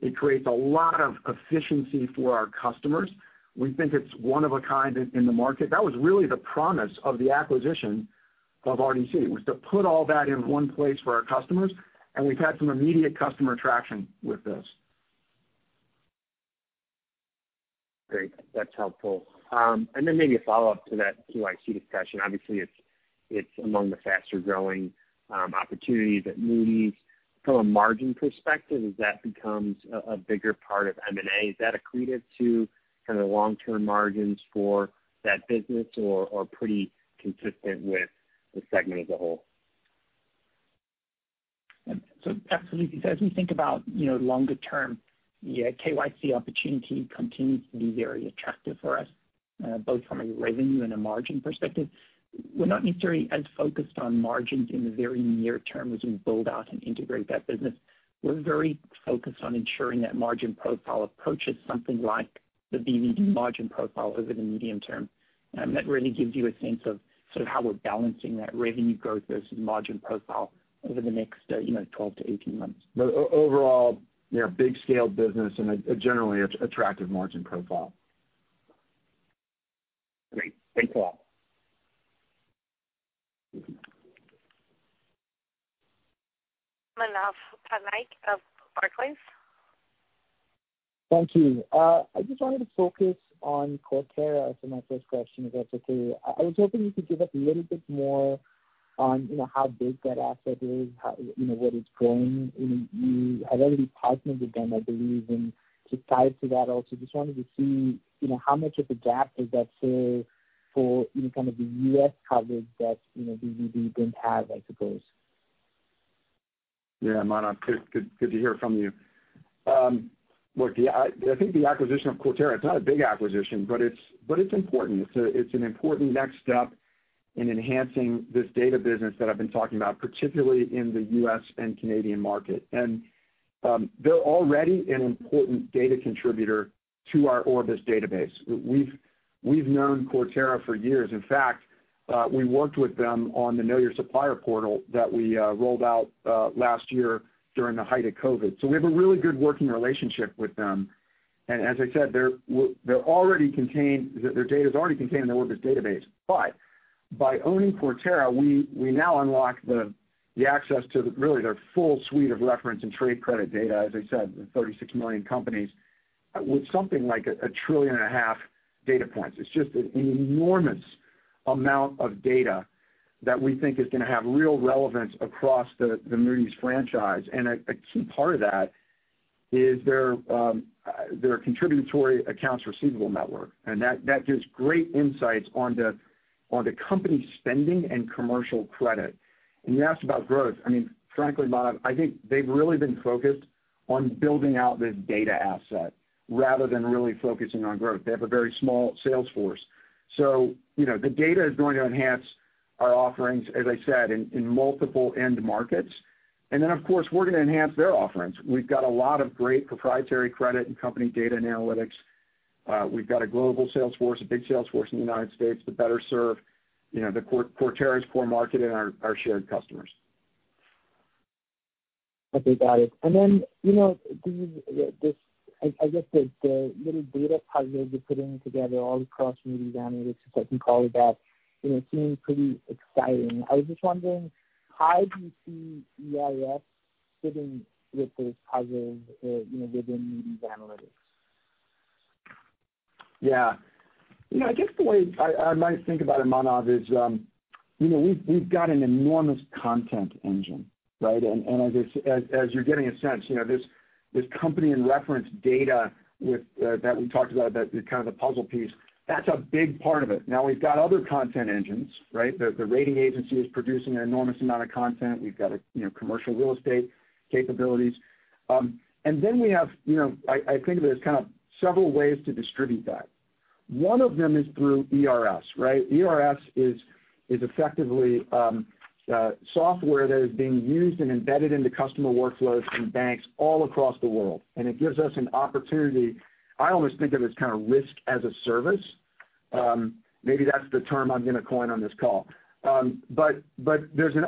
It creates a lot of efficiency for our customers. We think it's one of a kind in the market. That was really the promise of the acquisition of RDC, was to put all that in one place for our customers, and we've had some immediate customer traction with this. Great. That's helpful. Maybe a follow-up to that KYC discussion. Obviously, it's among the faster-growing opportunities at Moody's from a margin perspective. As that becomes a bigger part of M&A, is that accretive to kind of the long-term margins for that business or pretty consistent with the segment as a whole? Absolutely. As we think about longer term, the KYC opportunity continues to be very attractive for us, both from a revenue and a margin perspective. We're not necessarily as focused on margins in the very near term as we build out and integrate that business. We're very focused on ensuring that margin profile approaches something like the BvD margin profile over the medium term. That really gives you a sense of how we're balancing that revenue growth versus margin profile over the next 12 months to 18 months. Overall, big scale business and a generally attractive margin profile. Great. Thanks a lot. Manav Patnaik of Barclays. Thank you. I just wanted to focus on Cortera as my first question, if that's okay. I was hoping you could give us a little bit more on how big that asset is, how it's growing. You are already partnered with them, I believe. To tie into that also, just wanted to see how much of the gap does that fill for kind of the U.S. coverage that BvD didn't have, I suppose. Yeah. Manav, good to hear from you. Look, I think the acquisition of Cortera, it's not a big acquisition, but it's important. It's an important next step in enhancing this data business that I've been talking about, particularly in the U.S. and Canadian market. They're already an important data contributor to our Orbis database. We've known Cortera for years. In fact, we worked with them on the Know Your Supplier portal that we rolled out last year during the height of COVID. We have a really good working relationship with them. As I said, their data's already contained in the Orbis database. By owning Cortera, we now unlock the access to really their full suite of reference and trade credit data. As I said, 36 million companies with something like 1.5 trillion data points. It's just an enormous amount of data that we think is going to have real relevance across the Moody's franchise. A key part of that is their contributory accounts receivable network, and that gives great insights on the company spending and commercial credit. You asked about growth. I mean, frankly, Manav, I think they've really been focused on building out the data asset rather than really focusing on growth. They have a very small sales force, so the data is going to enhance our offerings, as I said, in multiple end markets. Then, of course, we're going to enhance their offerings. We've got a lot of great proprietary credit and company data and analytics. We've got a global sales force, a big sales force in the United States to better serve Cortera's core market and our shared customers. Okay. Got it. I guess the little data puzzle you're putting together all across Moody's Analytics, I can call it that, seems pretty exciting. I was just wondering, how do you see ERS fitting with this puzzle within Moody's balance? Yeah. I guess the way I might think about it, Manav, is we've got an enormous content engine, right? As you're getting a sense, this company and reference data that we talked about that is kind of the puzzle piece, that's a big part of it. Now we've got other content engines, right? The rating agency is producing an enormous amount of content. We've got commercial real estate capabilities. We have, I think of it as kind of several ways to distribute that. One of them is through ERS, right? ERS is effectively software that is being used and embedded into customer workflows in banks all across the world, and it gives us an opportunity. I almost think of it as kind of risk as a service. Maybe that's the term I'm going to coin on this call. We're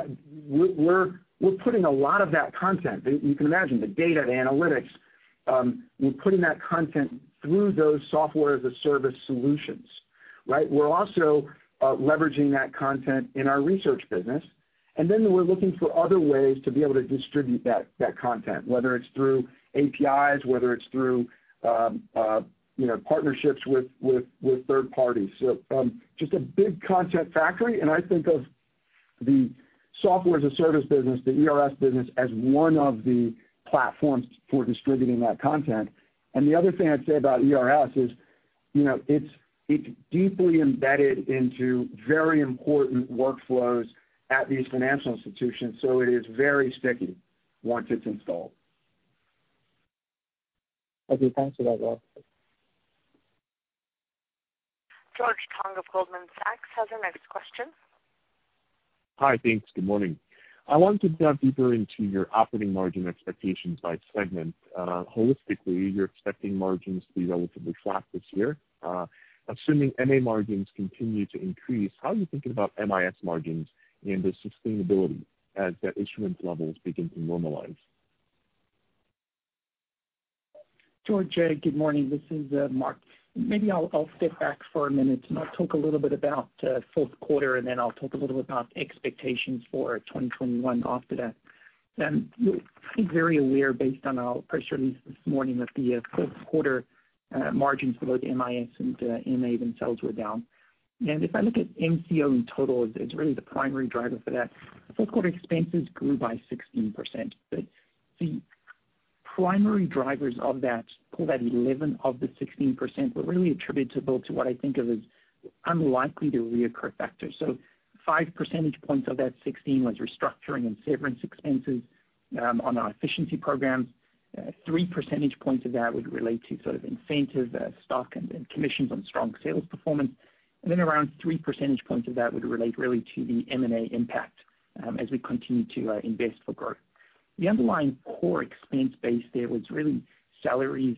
putting a lot of that content. You can imagine the data, the analytics, we're putting that content through those software as a service solutions, right? We're also leveraging that content in our research business, and then we're looking for other ways to be able to distribute that content, whether it's through APIs, whether it's through partnerships with third parties. Just a big content factory, and I think of the software as a service business, the ERS business, as one of the platforms for distributing that content. The other thing I'd say about ERS is it's deeply embedded into very important workflows at these financial institutions, so it is very sticky once it's installed. Okay. Thanks for that, Rob. George Tong of Goldman Sachs has our next question. Hi. Thanks. Good morning? I wanted to dive deeper into your operating margin expectations by segment. Holistically, you're expecting margins to be relatively flat this year. Assuming MA margins continue to increase, how are you thinking about MIS margins and the sustainability as the issuance levels begin to normalize? George, good morning. This is Mark. Maybe I'll step back for one minute and I'll talk a little bit about fourth quarter, then I'll talk a little bit about expectations for 2021 after that. You're very aware, based on our press release this morning, that the fourth quarter margins for both MIS and MA themselves were down. If I look at MCO in total, it's really the primary driver for that. Fourth quarter expenses grew by 16%. Primary drivers of that, call that 11% of the 16%, were really attributable to what I think of as unlikely to reoccur factors. Five percentage points of that 16 was restructuring and severance expenses on our efficiency programs. Three percentage points of that would relate to sort of incentive stock and commissions on strong sales performance. Around three percentage points of that would relate really to the M&A impact as we continue to invest for growth. The underlying core expense base there was really salary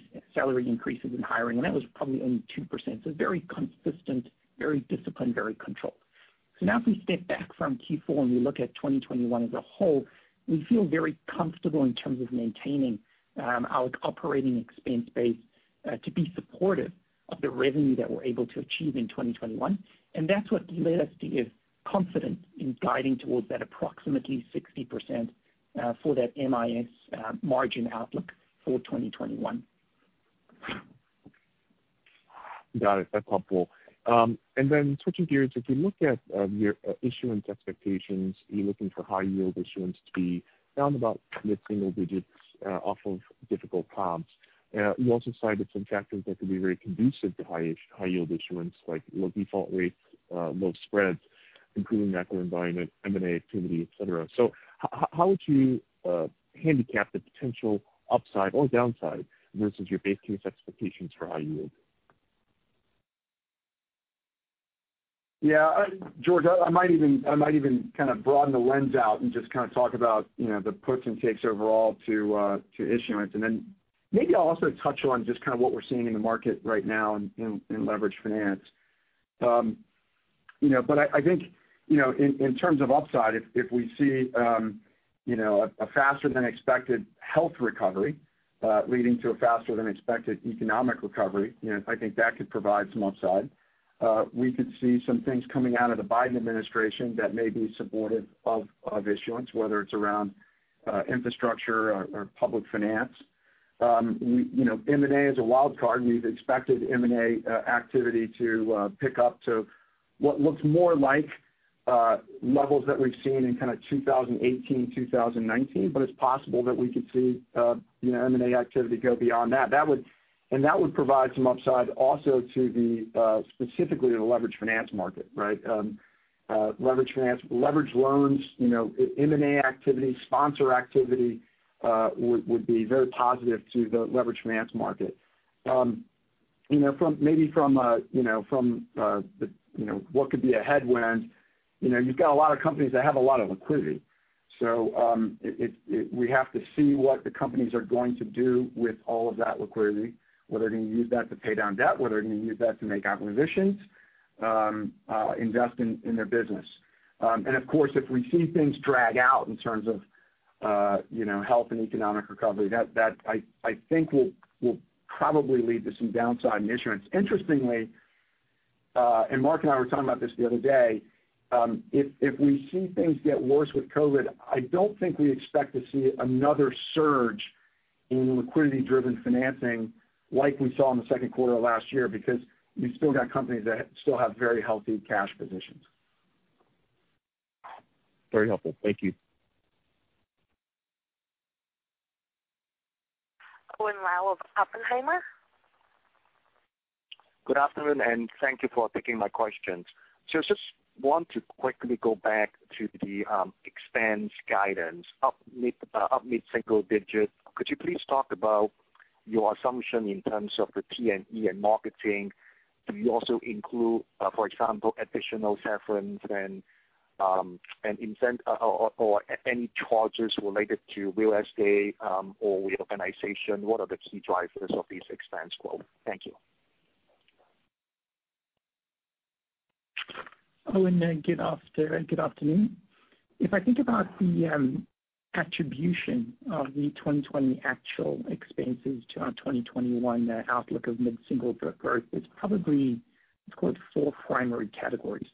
increases and hiring, and that was probably only 2%. It's very consistent, very disciplined, very controlled. If we step back from Q4 and we look at 2021 as a whole, we feel very comfortable in terms of maintaining our operating expense base to be supportive of the revenue that we're able to achieve in 2021. That's what led us to give confidence in guiding towards that approximately 60% for that MIS margin outlook for 2021. Got it. That's helpful. Switching gears, if you look at your issuance expectations, you're looking for high yield issuance to be down about mid-single digits off of difficult comps. You also cited some factors that could be very conducive to high yield issuance, like low default rates, low spreads, improving macro environment, M&A activity, et cetera. How would you handicap the potential upside or downside versus your base case expectations for high yield? George, I might even kind of broaden the lens out and just kind of talk about the puts and takes overall to issuance. Then maybe I'll also touch on just kind of what we're seeing in the market right now in leverage finance. I think in terms of upside, if we see a faster than expected health recovery leading to a faster than expected economic recovery, I think that could provide some upside. We could see some things coming out of the Biden administration that may be supportive of issuance, whether it's around infrastructure or public finance. M&A is a wild card, we've expected M&A activity to pick up to what looks more like levels that we've seen in kind of 2018, 2019. It's possible that we could see M&A activity go beyond that. That would provide some upside also specifically to the leverage finance market, right? Leverage loans, M&A activity, sponsor activity would be very positive to the leverage finance market. Maybe from what could be a headwind, you've got a lot of companies that have a lot of liquidity. We have to see what the companies are going to do with all of that liquidity, whether they're going to use that to pay down debt, whether they're going to use that to make acquisitions, invest in their business. Of course, if we see things drag out in terms of health and economic recovery, that I think will probably lead to some downside in issuance. Interestingly, and Mark and I were talking about this the other day, if we see things get worse with COVID, I don't think we expect to see another surge in liquidity-driven financing like we saw in the second quarter of last year because we've still got companies that still have very healthy cash positions. Very helpful. Thank you. Owen Lau of Oppenheimer. Good afternoon, and thank you for taking my questions. Just want to quickly go back to the expense guidance, up mid-single digits. Could you please talk about your assumption in terms of the T&E and marketing? Do you also include, for example, additional severance and incentive or any charges related to real estate or reorganization? What are the key drivers of this expense growth? Thank you. Owen, good afternoon. If I think about the attribution of the 2020 actual expenses to our 2021 outlook of mid-single digit growth, it's probably, let's call it four primary categories.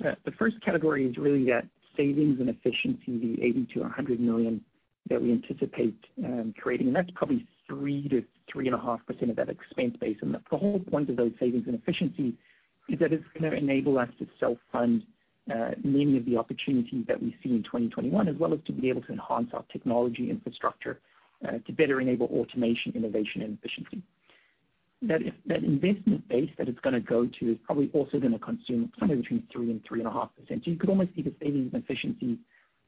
The first category is really that savings and efficiency, the $80 million-$100 million that we anticipate creating, that's probably 3%-3.5% of that expense base. The whole point of those savings and efficiency is that it's going to enable us to self-fund many of the opportunities that we see in 2021 as well as to be able to enhance our technology infrastructure to better enable automation, innovation, and efficiency. That investment base that it's going to go to is probably also going to consume somewhere between 3% and 3.5%. You could almost see the savings and efficiency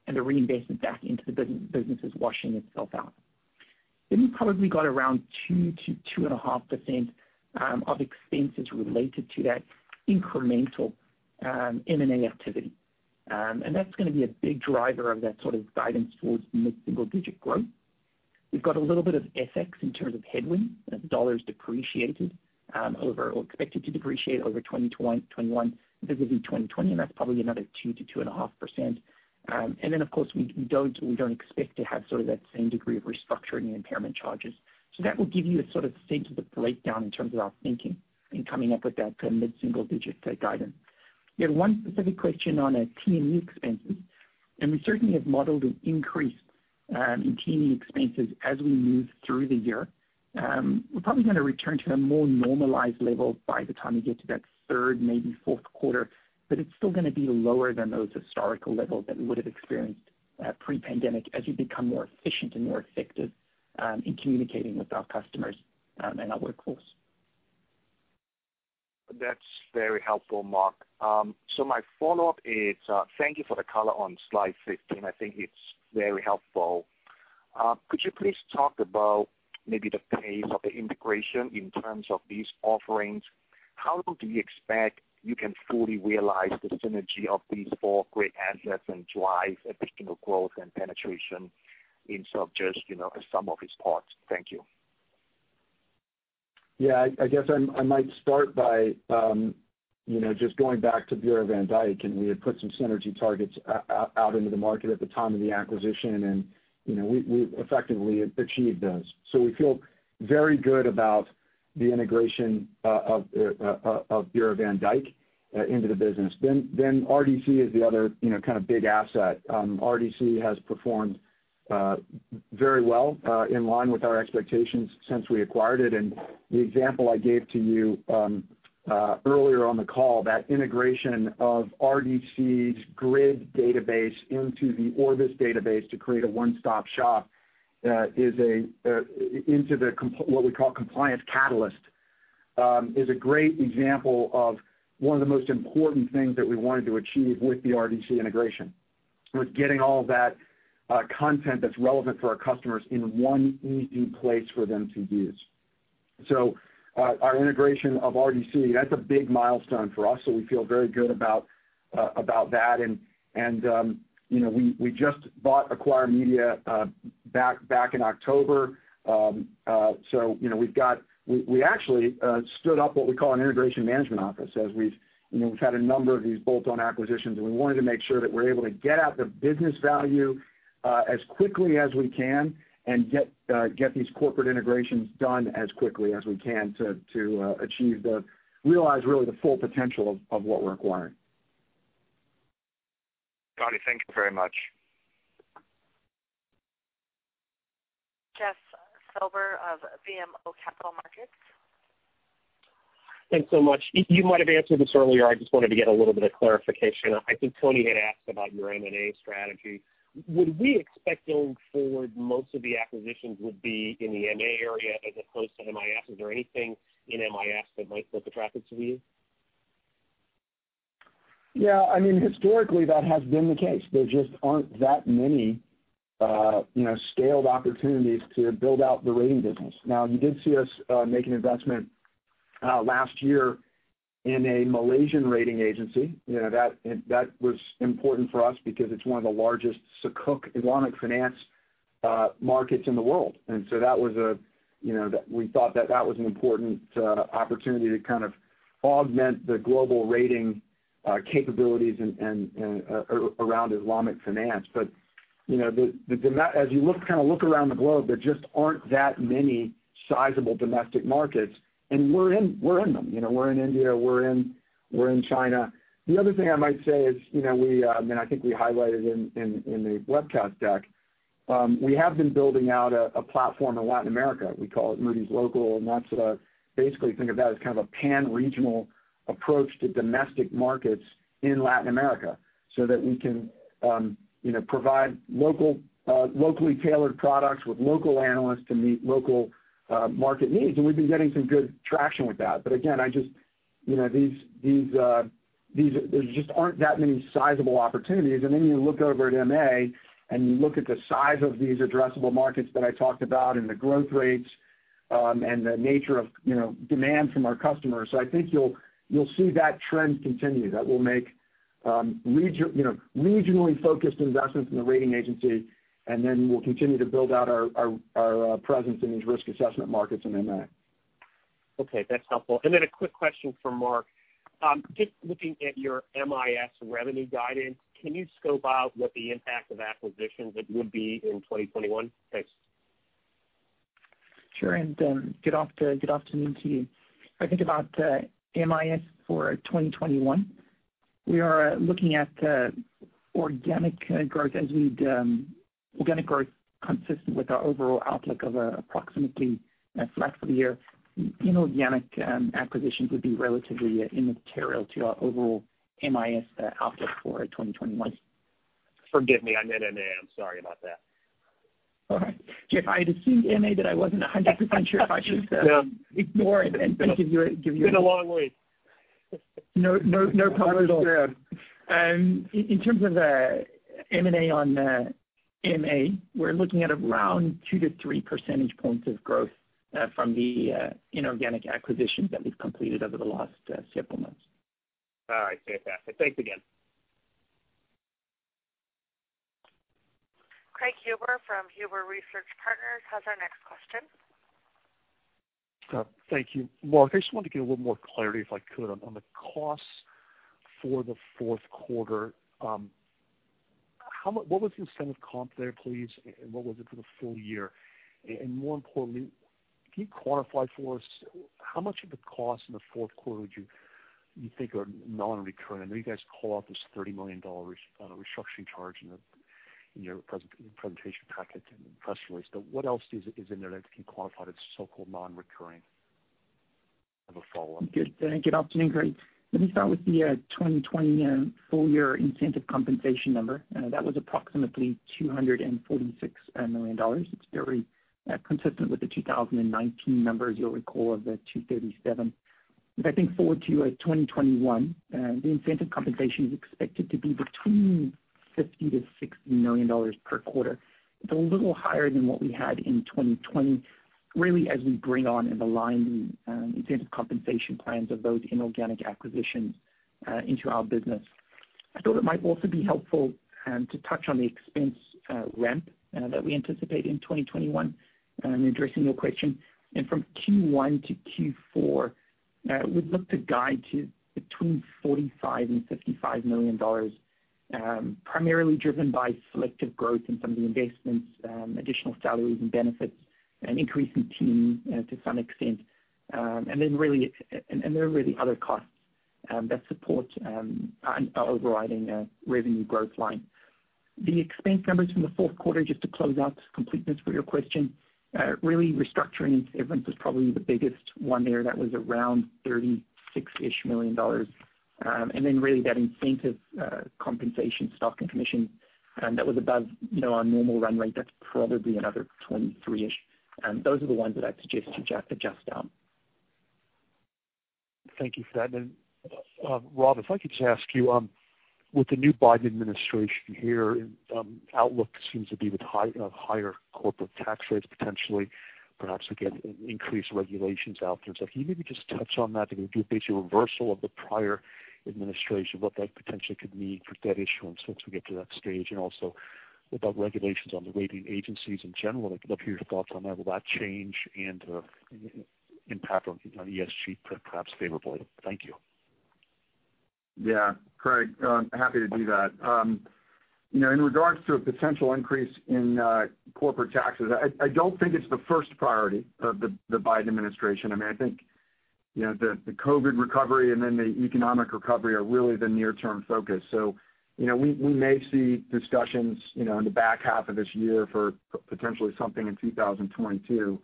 and the reinvestment back into the businesses washing itself out. You've probably got around 2%-2.5% of expenses related to that incremental M&A activity. That's going to be a big driver of that sort of guidance towards mid-single digit growth. We've got a little bit of FX in terms of headwind. The dollar's depreciated over or expected to depreciate over 2021 versus in 2020, and that's probably another 2%-2.5%. Of course, we don't expect to have sort of that same degree of restructuring and impairment charges. That will give you a sort of sense of the breakdown in terms of our thinking in coming up with that mid-single digit guidance. You had one specific question on T&E expenses, and we certainly have modeled an increase in T&E expenses as we move through the year. We're probably going to return to a more normalized level by the time we get to that third, maybe fourth quarter. It's still going to be lower than those historical levels that we would have experienced pre-pandemic as we become more efficient and more effective in communicating with our customers and our workforce. That's very helpful, Mark. My follow-up is, thank you for the color on slide 15. I think it's very helpful. Could you please talk about maybe the pace of the integration in terms of these offerings? How do you expect you can fully realize the synergy of these four great assets and drive additional growth and penetration in subjects, the sum of its parts? Thank you. Yeah. I guess I might start by just going back to Bureau van Dijk, we had put some synergy targets out into the market at the time of the acquisition, we effectively achieved those. We feel very good about the integration of Bureau van Dijk into the business. RDC is the other kind of big asset. RDC has performed very well, in line with our expectations since we acquired it. The example I gave to you earlier on the call, that integration of RDC's GRID database into the Orbis database to create a one-stop shop into what we call Compliance Catalyst, is a great example of one of the most important things that we wanted to achieve with the RDC integration, was getting all that content that's relevant for our customers in one easy place for them to use. Our integration of RDC, that's a big milestone for us, so we feel very good about that. We just bought Acquire Media back in October. We actually stood up what we call an integration management office. As we've had a number of these bolt-on acquisitions, and we wanted to make sure that we're able to get out the business value as quickly as we can and get these corporate integrations done as quickly as we can to realize really the full potential of what we're acquiring. Got it. Thank you very much. Jeff Silber of BMO Capital Markets. Thanks so much. You might have answered this earlier, I just wanted to get a little bit of clarification. I think Toni had asked about your M&A strategy. Would we expect going forward most of the acquisitions would be in the MA area as opposed to MIS? Is there anything in MIS that might look attractive to you? Yeah, historically, that has been the case. There just aren't that many scaled opportunities to build out the rating business. You did see us make an investment last year in a Malaysian rating agency. That was important for us because it's one of the largest sukuk Islamic finance markets in the world. We thought that that was an important opportunity to kind of augment the global rating capabilities around Islamic finance. As you kind of look around the globe, there just aren't that many sizable domestic markets. We're in them. We're in India, we're in China. The other thing I might say is, I think we highlighted in the webcast deck, we have been building out a platform in Latin America. We call it Moody's Local, and that's basically think of that as kind of a pan-regional approach to domestic markets in Latin America so that we can provide locally tailored products with local analysts to meet local market needs. We've been getting some good traction with that. Again, there just aren't that many sizable opportunities. You look over at MA, and you look at the size of these addressable markets that I talked about and the growth rates, and the nature of demand from our customers. I think you'll see that trend continue, that we'll make regionally focused investments in the rating agency, and then we'll continue to build out our presence in these risk assessment markets in MA. Okay. That's helpful. Then a quick question for Mark. Just looking at your MIS revenue guidance, can you scope out what the impact of acquisitions would be in 2021? Thanks. Sure. Good afternoon to you. If I think about MIS for 2021, we are looking at organic growth consistent with our overall outlook of approximately flat for the year. Inorganic acquisitions would be relatively immaterial to our overall MIS outlook for 2021. Forgive me. I meant MA. I'm sorry about that. All right. Jeff, I had assumed MA, I wasn't 100% sure if I should say ignore it and give you. It's been a long week. No problem at all. That is true. In terms of M&A on MA, we're looking at around two to three percentage points of growth from the inorganic acquisitions that we've completed over the last several months. All right. Fair. Thanks again. Craig Huber from Huber Research Partners has our next question. Thank you. Mark, I just wanted to get a little more clarity, if I could, on the costs for the fourth quarter. What was the incentive comp there, please, and what was it for the full year? More importantly, can you quantify for us how much of the cost in the fourth quarter would you think are non-recurring? I know you guys call out this $30 million restructuring charge in your presentation packet and press release, but what else is in there that you can quantify that's so-called non-recurring? I have a follow-up. Good afternoon, Craig. Let me start with the 2020 full year incentive compensation number. That was approximately $246 million. It is very consistent with the 2019 number, as you will recall, of the $237 million. If I think forward to 2021, the incentive compensation is expected to be between $50 million-$60 million per quarter. It is a little higher than what we had in 2020, really as we bring on and align the incentive compensation plans of those inorganic acquisitions into our business. I thought it might also be helpful to touch on the expense ramp that we anticipate in 2021, addressing your question. From Q1 to Q4, we would look to guide to between $45 million and $55 million, primarily driven by selective growth in some of the investments, additional salaries and benefits, an increase in team to some extent, and there are really other costs that support our overriding revenue growth line. The expense numbers from the fourth quarter, just to close out completeness for your question, really restructuring expense was probably the biggest one there. That was around $36 million. Then really that incentive compensation stock and commission, that was above our normal run rate. That's probably another $23 million. Those are the ones that I'd suggest to adjust down. Thank you for that. Rob, if I could just ask you, with the new Biden administration here, outlook seems to be with higher corporate tax rates potentially, perhaps we get increased regulations out there. Can you maybe just touch on that, basically a reversal of the prior administration, what that potentially could mean for debt issuance once we get to that stage? Also about regulations on the rating agencies in general. I'd love to hear your thoughts on how will that change and impact on ESG perhaps favorably. Thank you. Yeah. Craig, happy to do that. In regards to a potential increase in corporate taxes, I don't think it's the first priority of the Biden administration. I think the COVID recovery and then the economic recovery are really the near term focus. We may see discussions in the back half of this year for potentially something in 2022.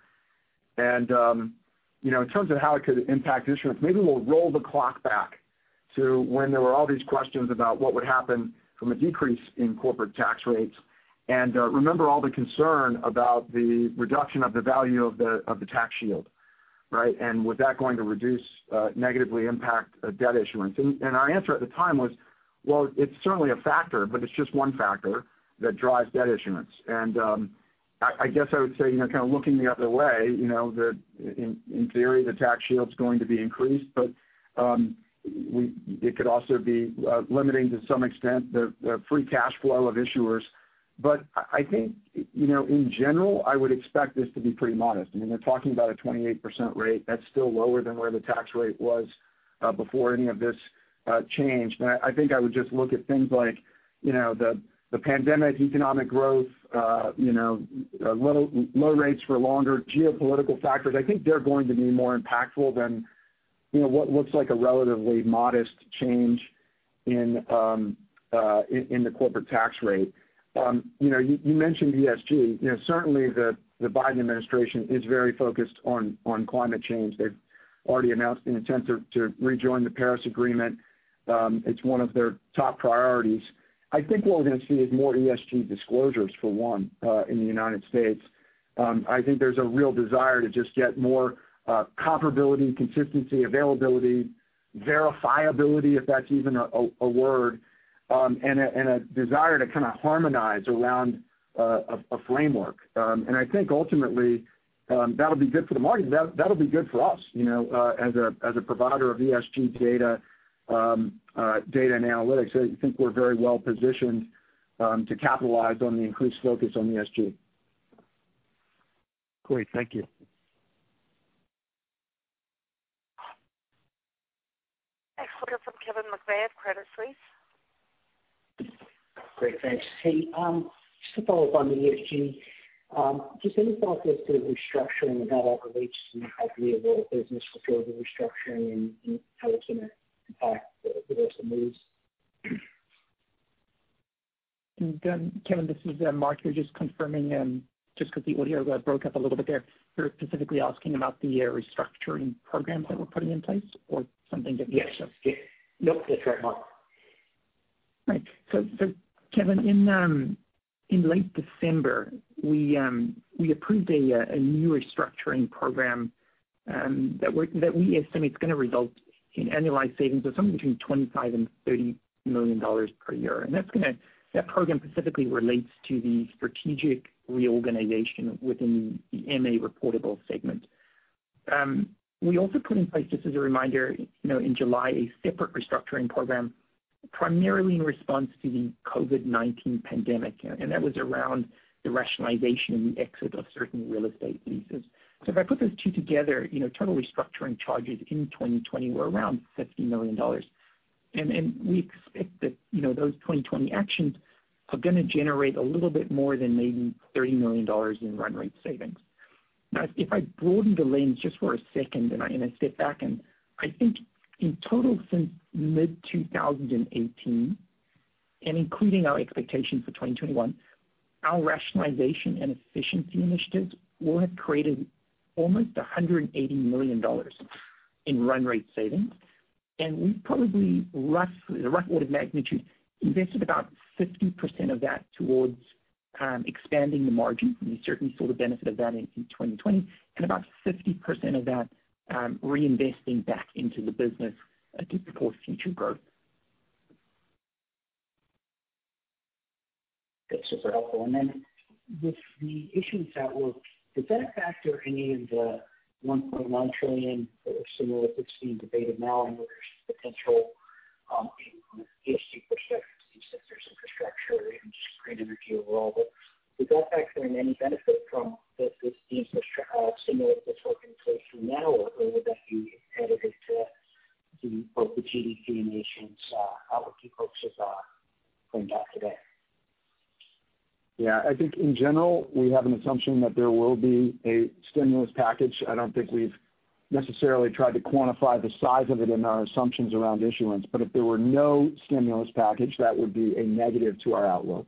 In terms of how it could impact issuance, maybe we'll roll the clock back to when there were all these questions about what would happen from a decrease in corporate tax rates. Remember all the concern about the reduction of the value of the tax shield, right? Was that going to reduce, negatively impact debt issuance? Our answer at the time was, well, it's certainly a factor, but it's just one factor that drives debt issuance. I guess I would say kind of looking the other way, that in theory, the tax shield's going to be increased, but it could also be limiting to some extent the free cash flow of issuers. I think in general, I would expect this to be pretty modest. They're talking about a 28% rate. That's still lower than where the tax rate was before any of this change. I think I would just look at things like the pandemic economic growth, low rates for longer geopolitical factors. I think they're going to be more impactful than what looks like a relatively modest change in the corporate tax rate. You mentioned ESG. Certainly the Biden administration is very focused on climate change. They've already announced the intent to rejoin the Paris Agreement. It's one of their top priorities. I think what we're going to see is more ESG disclosures for one in the United States. I think there's a real desire to just get more comparability, consistency, availability, verifiability, if that's even a word, and a desire to kind of harmonize around a framework. I think ultimately that'll be good for the market. That'll be good for us as a provider of ESG data and analytics. I think we're very well positioned to capitalize on the increased focus on ESG. Great. Thank you. Next we go from Kevin McVeigh at Credit Suisse. Great. Thanks. Just to follow up on the ESG, just any thoughts as to restructuring and how that relates and how it may affect business with further restructuring and how it can impact the rest of Moody's? Kevin, this is Mark. You're just confirming, just because the audio got broke up a little bit there. You're specifically asking about the restructuring programs that we're putting in place or something different? Yes. Yep. That's right, Mark. Right. Kevin, in late December, we approved a new restructuring program that we estimate is going to result in annualized savings of something between $25 million-$30 million per year. That program specifically relates to the strategic reorganization within the MA reportable segment. We also put in place, just as a reminder, in July, a separate restructuring program primarily in response to the COVID-19 pandemic, that was around the rationalization and the exit of certain real estate leases. If I put those two together, total restructuring charges in 2020 were around $50 million. We expect that those 2020 actions are going to generate a little bit more than maybe $30 million in run rate savings. Now, if I broaden the lens just for a second and I sit back, and I think in total since mid-2018. Including our expectations for 2021, our rationalization and efficiency initiatives will have created almost $180 million in run rate savings. We probably, as a rough order of magnitude, invested about 50% of that towards expanding the margin. You certainly saw the benefit of that in 2020, and about 50% of that reinvesting back into the business to support future growth. That's super helpful. With the issuance at work, does that factor any of the $1.1 trillion or similar that's being debated now in where there's potential increase in infrastructure, even just green energy overall? Does that factor in any benefit from this stimulus or similar that's put in place from now, or would that be negative to both the GDC and i8's outlook you folks have framed out today? Yeah, I think in general, we have an assumption that there will be a stimulus package. I don't think we've necessarily tried to quantify the size of it in our assumptions around issuance. If there were no stimulus package, that would be a negative to our outlook.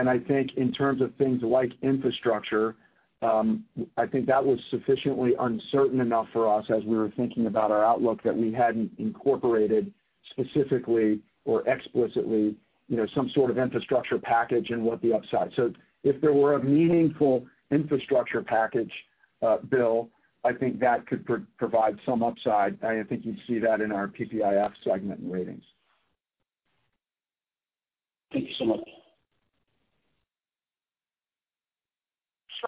I think in terms of things like infrastructure, I think that was sufficiently uncertain enough for us as we were thinking about our outlook that we hadn't incorporated specifically or explicitly some sort of infrastructure package and what the upside. If there were a meaningful infrastructure package bill, I think that could provide some upside, and I think you'd see that in our PPIF segment and ratings. Thank you so much.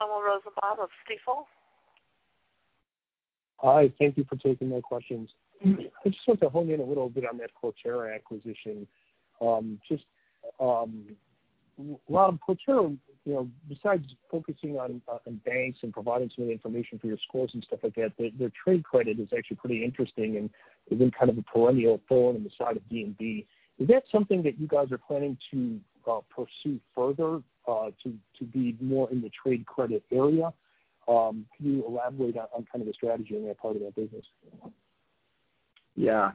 Shlomo Rosenbaum of Stifel. Hi, thank you for taking my questions. I just want to hone in a little bit on that Cortera acquisition. While Cortera, besides focusing on banks and providing some of the information for your scores and stuff like that, their trade credit is actually pretty interesting, and they've been kind of a perennial thorn in the side of D&B. Is that something that you guys are planning to pursue further, to be more in the trade credit area? Can you elaborate on kind of the strategy on that part of that business? Yeah.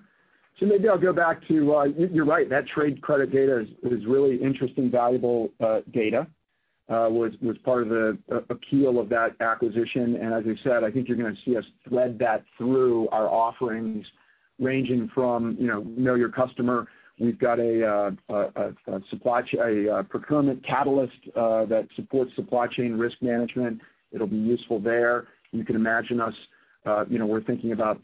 You're right, that trade credit data is really interesting, valuable data, was part of the appeal of that acquisition. As we've said, I think you're going to see us thread that through our offerings, ranging from know your customer. We've got a Procurement Catalyst that supports supply chain risk management. It'll be useful there. You can imagine us, we're thinking about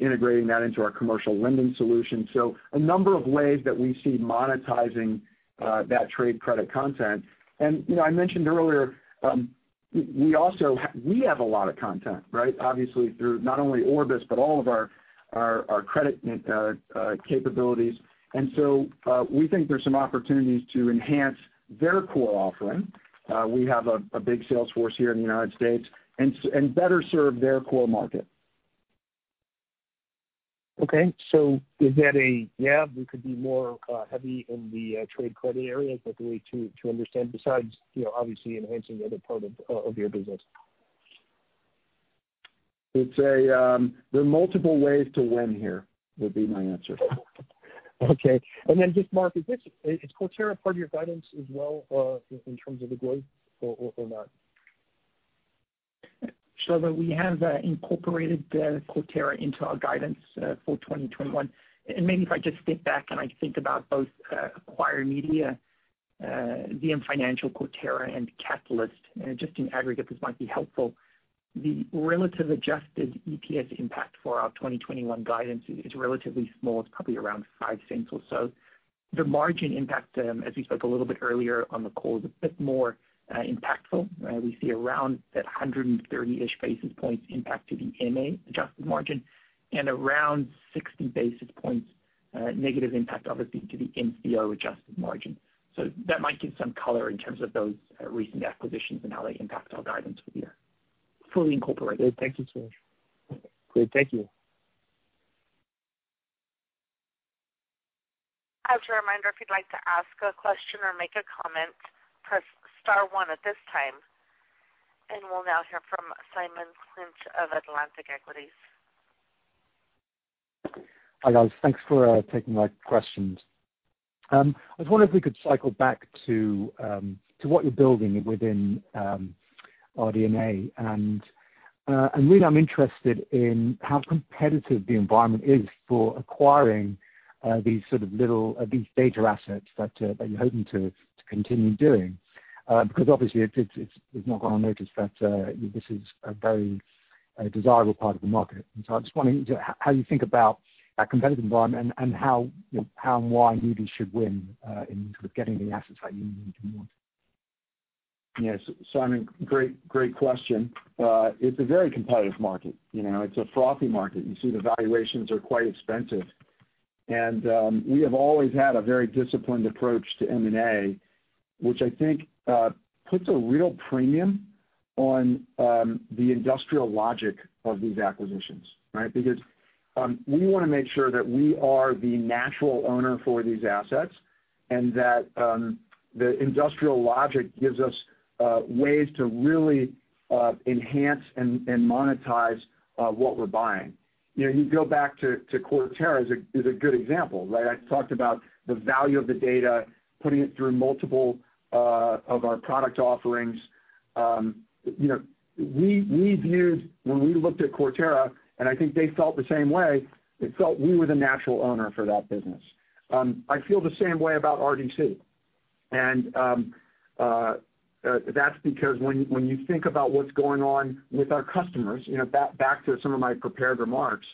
integrating that into our commercial lending solution. A number of ways that we see monetizing that trade credit content. I mentioned earlier, we have a lot of content, right? Obviously, through not only Orbis, but all of our credit capabilities. We think there's some opportunities to enhance their core offering. We have a big sales force here in the United States, and better serve their core market. Okay. Is that, yeah, we could be more heavy in the trade credit area? Is that the way to understand, besides obviously enhancing the other part of your business? There are multiple ways to win here, would be my answer. Okay. Just Mark, is Cortera part of your guidance as well in terms of the growth or not? Shlomo, we have incorporated Cortera into our guidance for 2021. Maybe if I just step back and I think about both Acquire Media, ZM Financial, Cortera and Catylist, just in aggregate, this might be helpful. The relative adjusted EPS impact for our 2021 guidance is relatively small. It's probably around $0.05 or so. The margin impact, as we spoke a little bit earlier on the call, is a bit more impactful. We see around that 130-ish basis points impact to the MA adjusted margin and around 60 basis points negative impact, obviously, to the MCO adjusted margin. That might give some color in terms of those recent acquisitions and how they impact our guidance for the year, fully incorporated. Thank you, Mark. Great. Thank you. As a reminder, if you'd like to ask a question or make a comment, press star one at this time. We'll now hear from Simon Clinch of Atlantic Equities. Hi, guys? Thanks for taking my questions. I was wondering if we could cycle back to what you're building within RD&A. Really, I'm interested in how competitive the environment is for acquiring these sort of data assets that you're hoping to continue doing. Obviously it's not gone unnoticed that this is a very desirable part of the market. I was just wondering how you think about that competitive environment and how and why Moody's should win in sort of getting the assets that you want. Simon, great question. It's a very competitive market. It's a frothy market. You see the valuations are quite expensive. We have always had a very disciplined approach to M&A, which I think puts a real premium on the industrial logic of these acquisitions, right? Because we want to make sure that we are the natural owner for these assets. That the industrial logic gives us ways to really enhance and monetize what we're buying. You go back to Cortera as a good example, right? I talked about the value of the data, putting it through multiple of our product offerings. When we looked at Cortera, and I think they felt the same way, it felt we were the natural owner for that business. I feel the same way about RDC. That's because when you think about what's going on with our customers, back to some of my prepared remarks,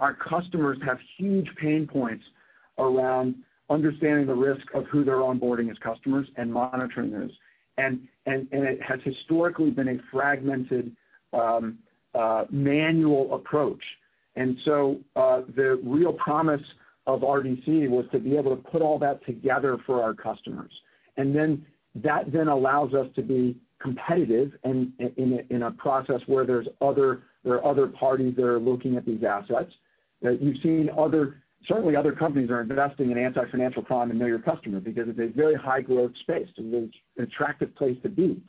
our customers have huge pain points around understanding the risk of who they're onboarding as customers and monitoring those. It has historically been a fragmented manual approach. The real promise of RDC was to be able to put all that together for our customers. That then allows us to be competitive in a process where there are other parties that are looking at these assets. That you've seen certainly other companies are investing in anti-financial crime and know your customer because it's a very high-growth space. It's a very attractive place to be.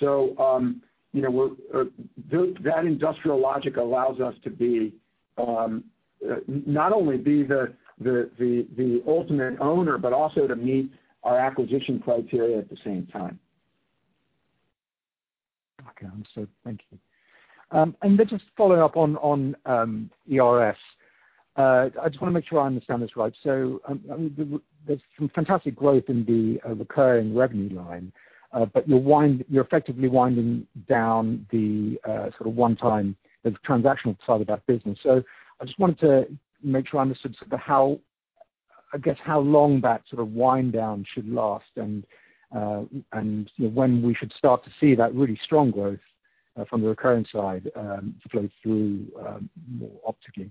That industrial logic allows us to not only be the ultimate owner but also to meet our acquisition criteria at the same time. Okay. Thank you. Just following up on ERS. I just want to make sure I understand this right. There's some fantastic growth in the recurring revenue line. You're effectively winding down the sort of one-time transactional side of that business. I just wanted to make sure I understood sort of how long that sort of wind down should last and when we should start to see that really strong growth from the recurring side flow through more optically.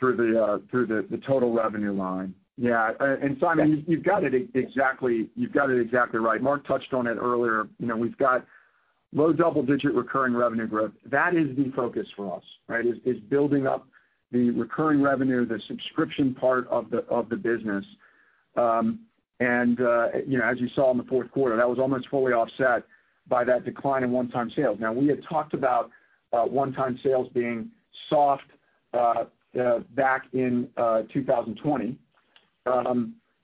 Through the total revenue line. Yeah? Yeah. Simon, you've got it exactly right. Mark touched on it earlier. We've got low double-digit recurring revenue growth. That is the focus for us, right? Is building up the recurring revenue, the subscription part of the business. As you saw in the fourth quarter, that was almost fully offset by that decline in one-time sales. We had talked about one-time sales being soft back in 2020.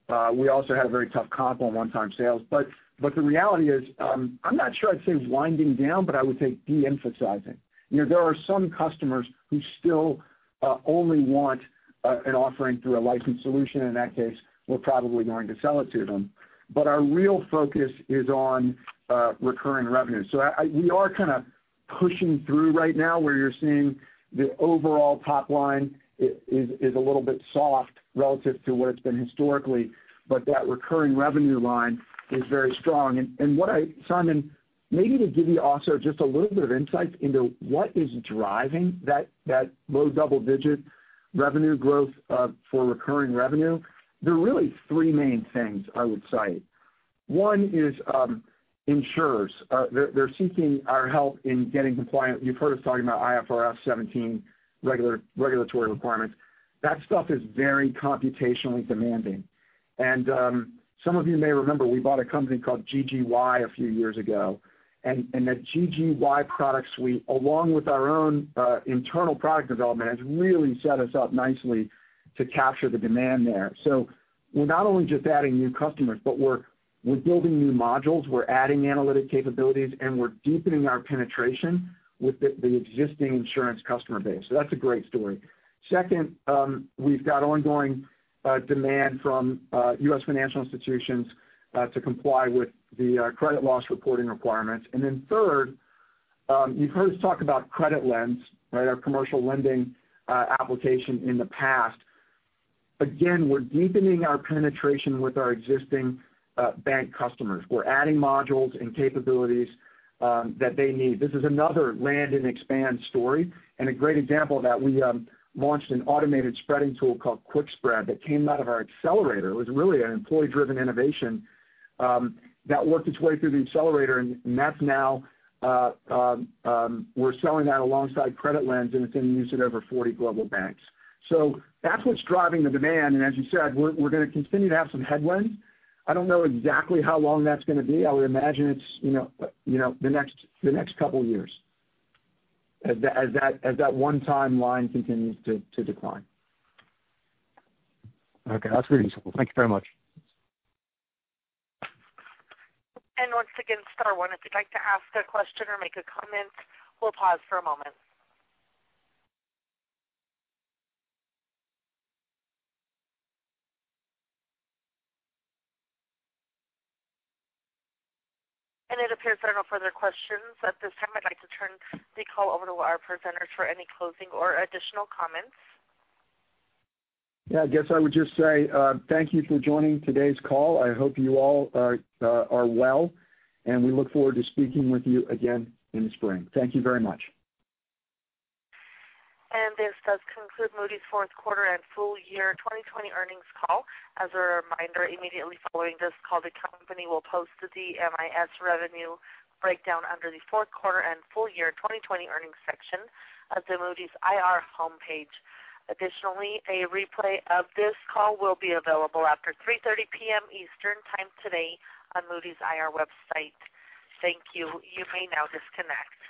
We also had a very tough comp on one-time sales. The reality is I'm not sure I'd say winding down, but I would say de-emphasizing. There are some customers who still only want an offering through a licensed solution. In that case, we're probably going to sell it to them. Our real focus is on recurring revenue. We are kind of pushing through right now where you're seeing the overall top line is a little bit soft relative to what it's been historically. That recurring revenue line is very strong. Simon, maybe to give you also just a little bit of insight into what is driving that low double-digit revenue growth for recurring revenue. There are really three main things I would cite. One is insurers. They're seeking our help in getting compliant. You've heard us talking about IFRS 17 regulatory requirements. That stuff is very computationally demanding. Some of you may remember, we bought a company called GGY a few years ago, and that GGY product suite, along with our own internal product development, has really set us up nicely to capture the demand there. We're not only just adding new customers, but we're building new modules, we're adding analytic capabilities, and we're deepening our penetration with the existing insurance customer base. That's a great story. Second, we've got ongoing demand from U.S. financial institutions to comply with the credit loss reporting requirements. Third, you've heard us talk about CreditLens, our commercial lending application in the past. Again, we're deepening our penetration with our existing bank customers. We're adding modules and capabilities that they need. This is another land and expand story, and a great example of that, we launched an automated spreading tool called QUIQspread that came out of our accelerator. It was really an employee-driven innovation that worked its way through the accelerator, and that's now we're selling that alongside CreditLens, and it's in use at over 40 global banks. That's what's driving the demand, and as you said, we're going to continue to have some headwinds. I don't know exactly how long that's going to be. I would imagine it's the next couple of years as that one-time line continues to decline. Okay. That's very useful. Thank you very much. Once again, star one if you'd like to ask a question or make a comment. We'll pause for a moment. It appears there are no further questions at this time. I'd like to turn the call over to our presenters for any closing or additional comments. Yeah, I guess I would just say thank you for joining today's call. I hope you all are well, and we look forward to speaking with you again in the spring. Thank you very much. This does conclude Moody's fourth quarter and full year 2020 earnings call. As a reminder, immediately following this call, the company will post the MIS revenue breakdown under the fourth quarter and full year 2020 earnings section of the Moody's IR homepage. Additionally, a replay of this call will be available after 3:30 P.M. Eastern time today on Moody's IR website. Thank you, you may now disconnect.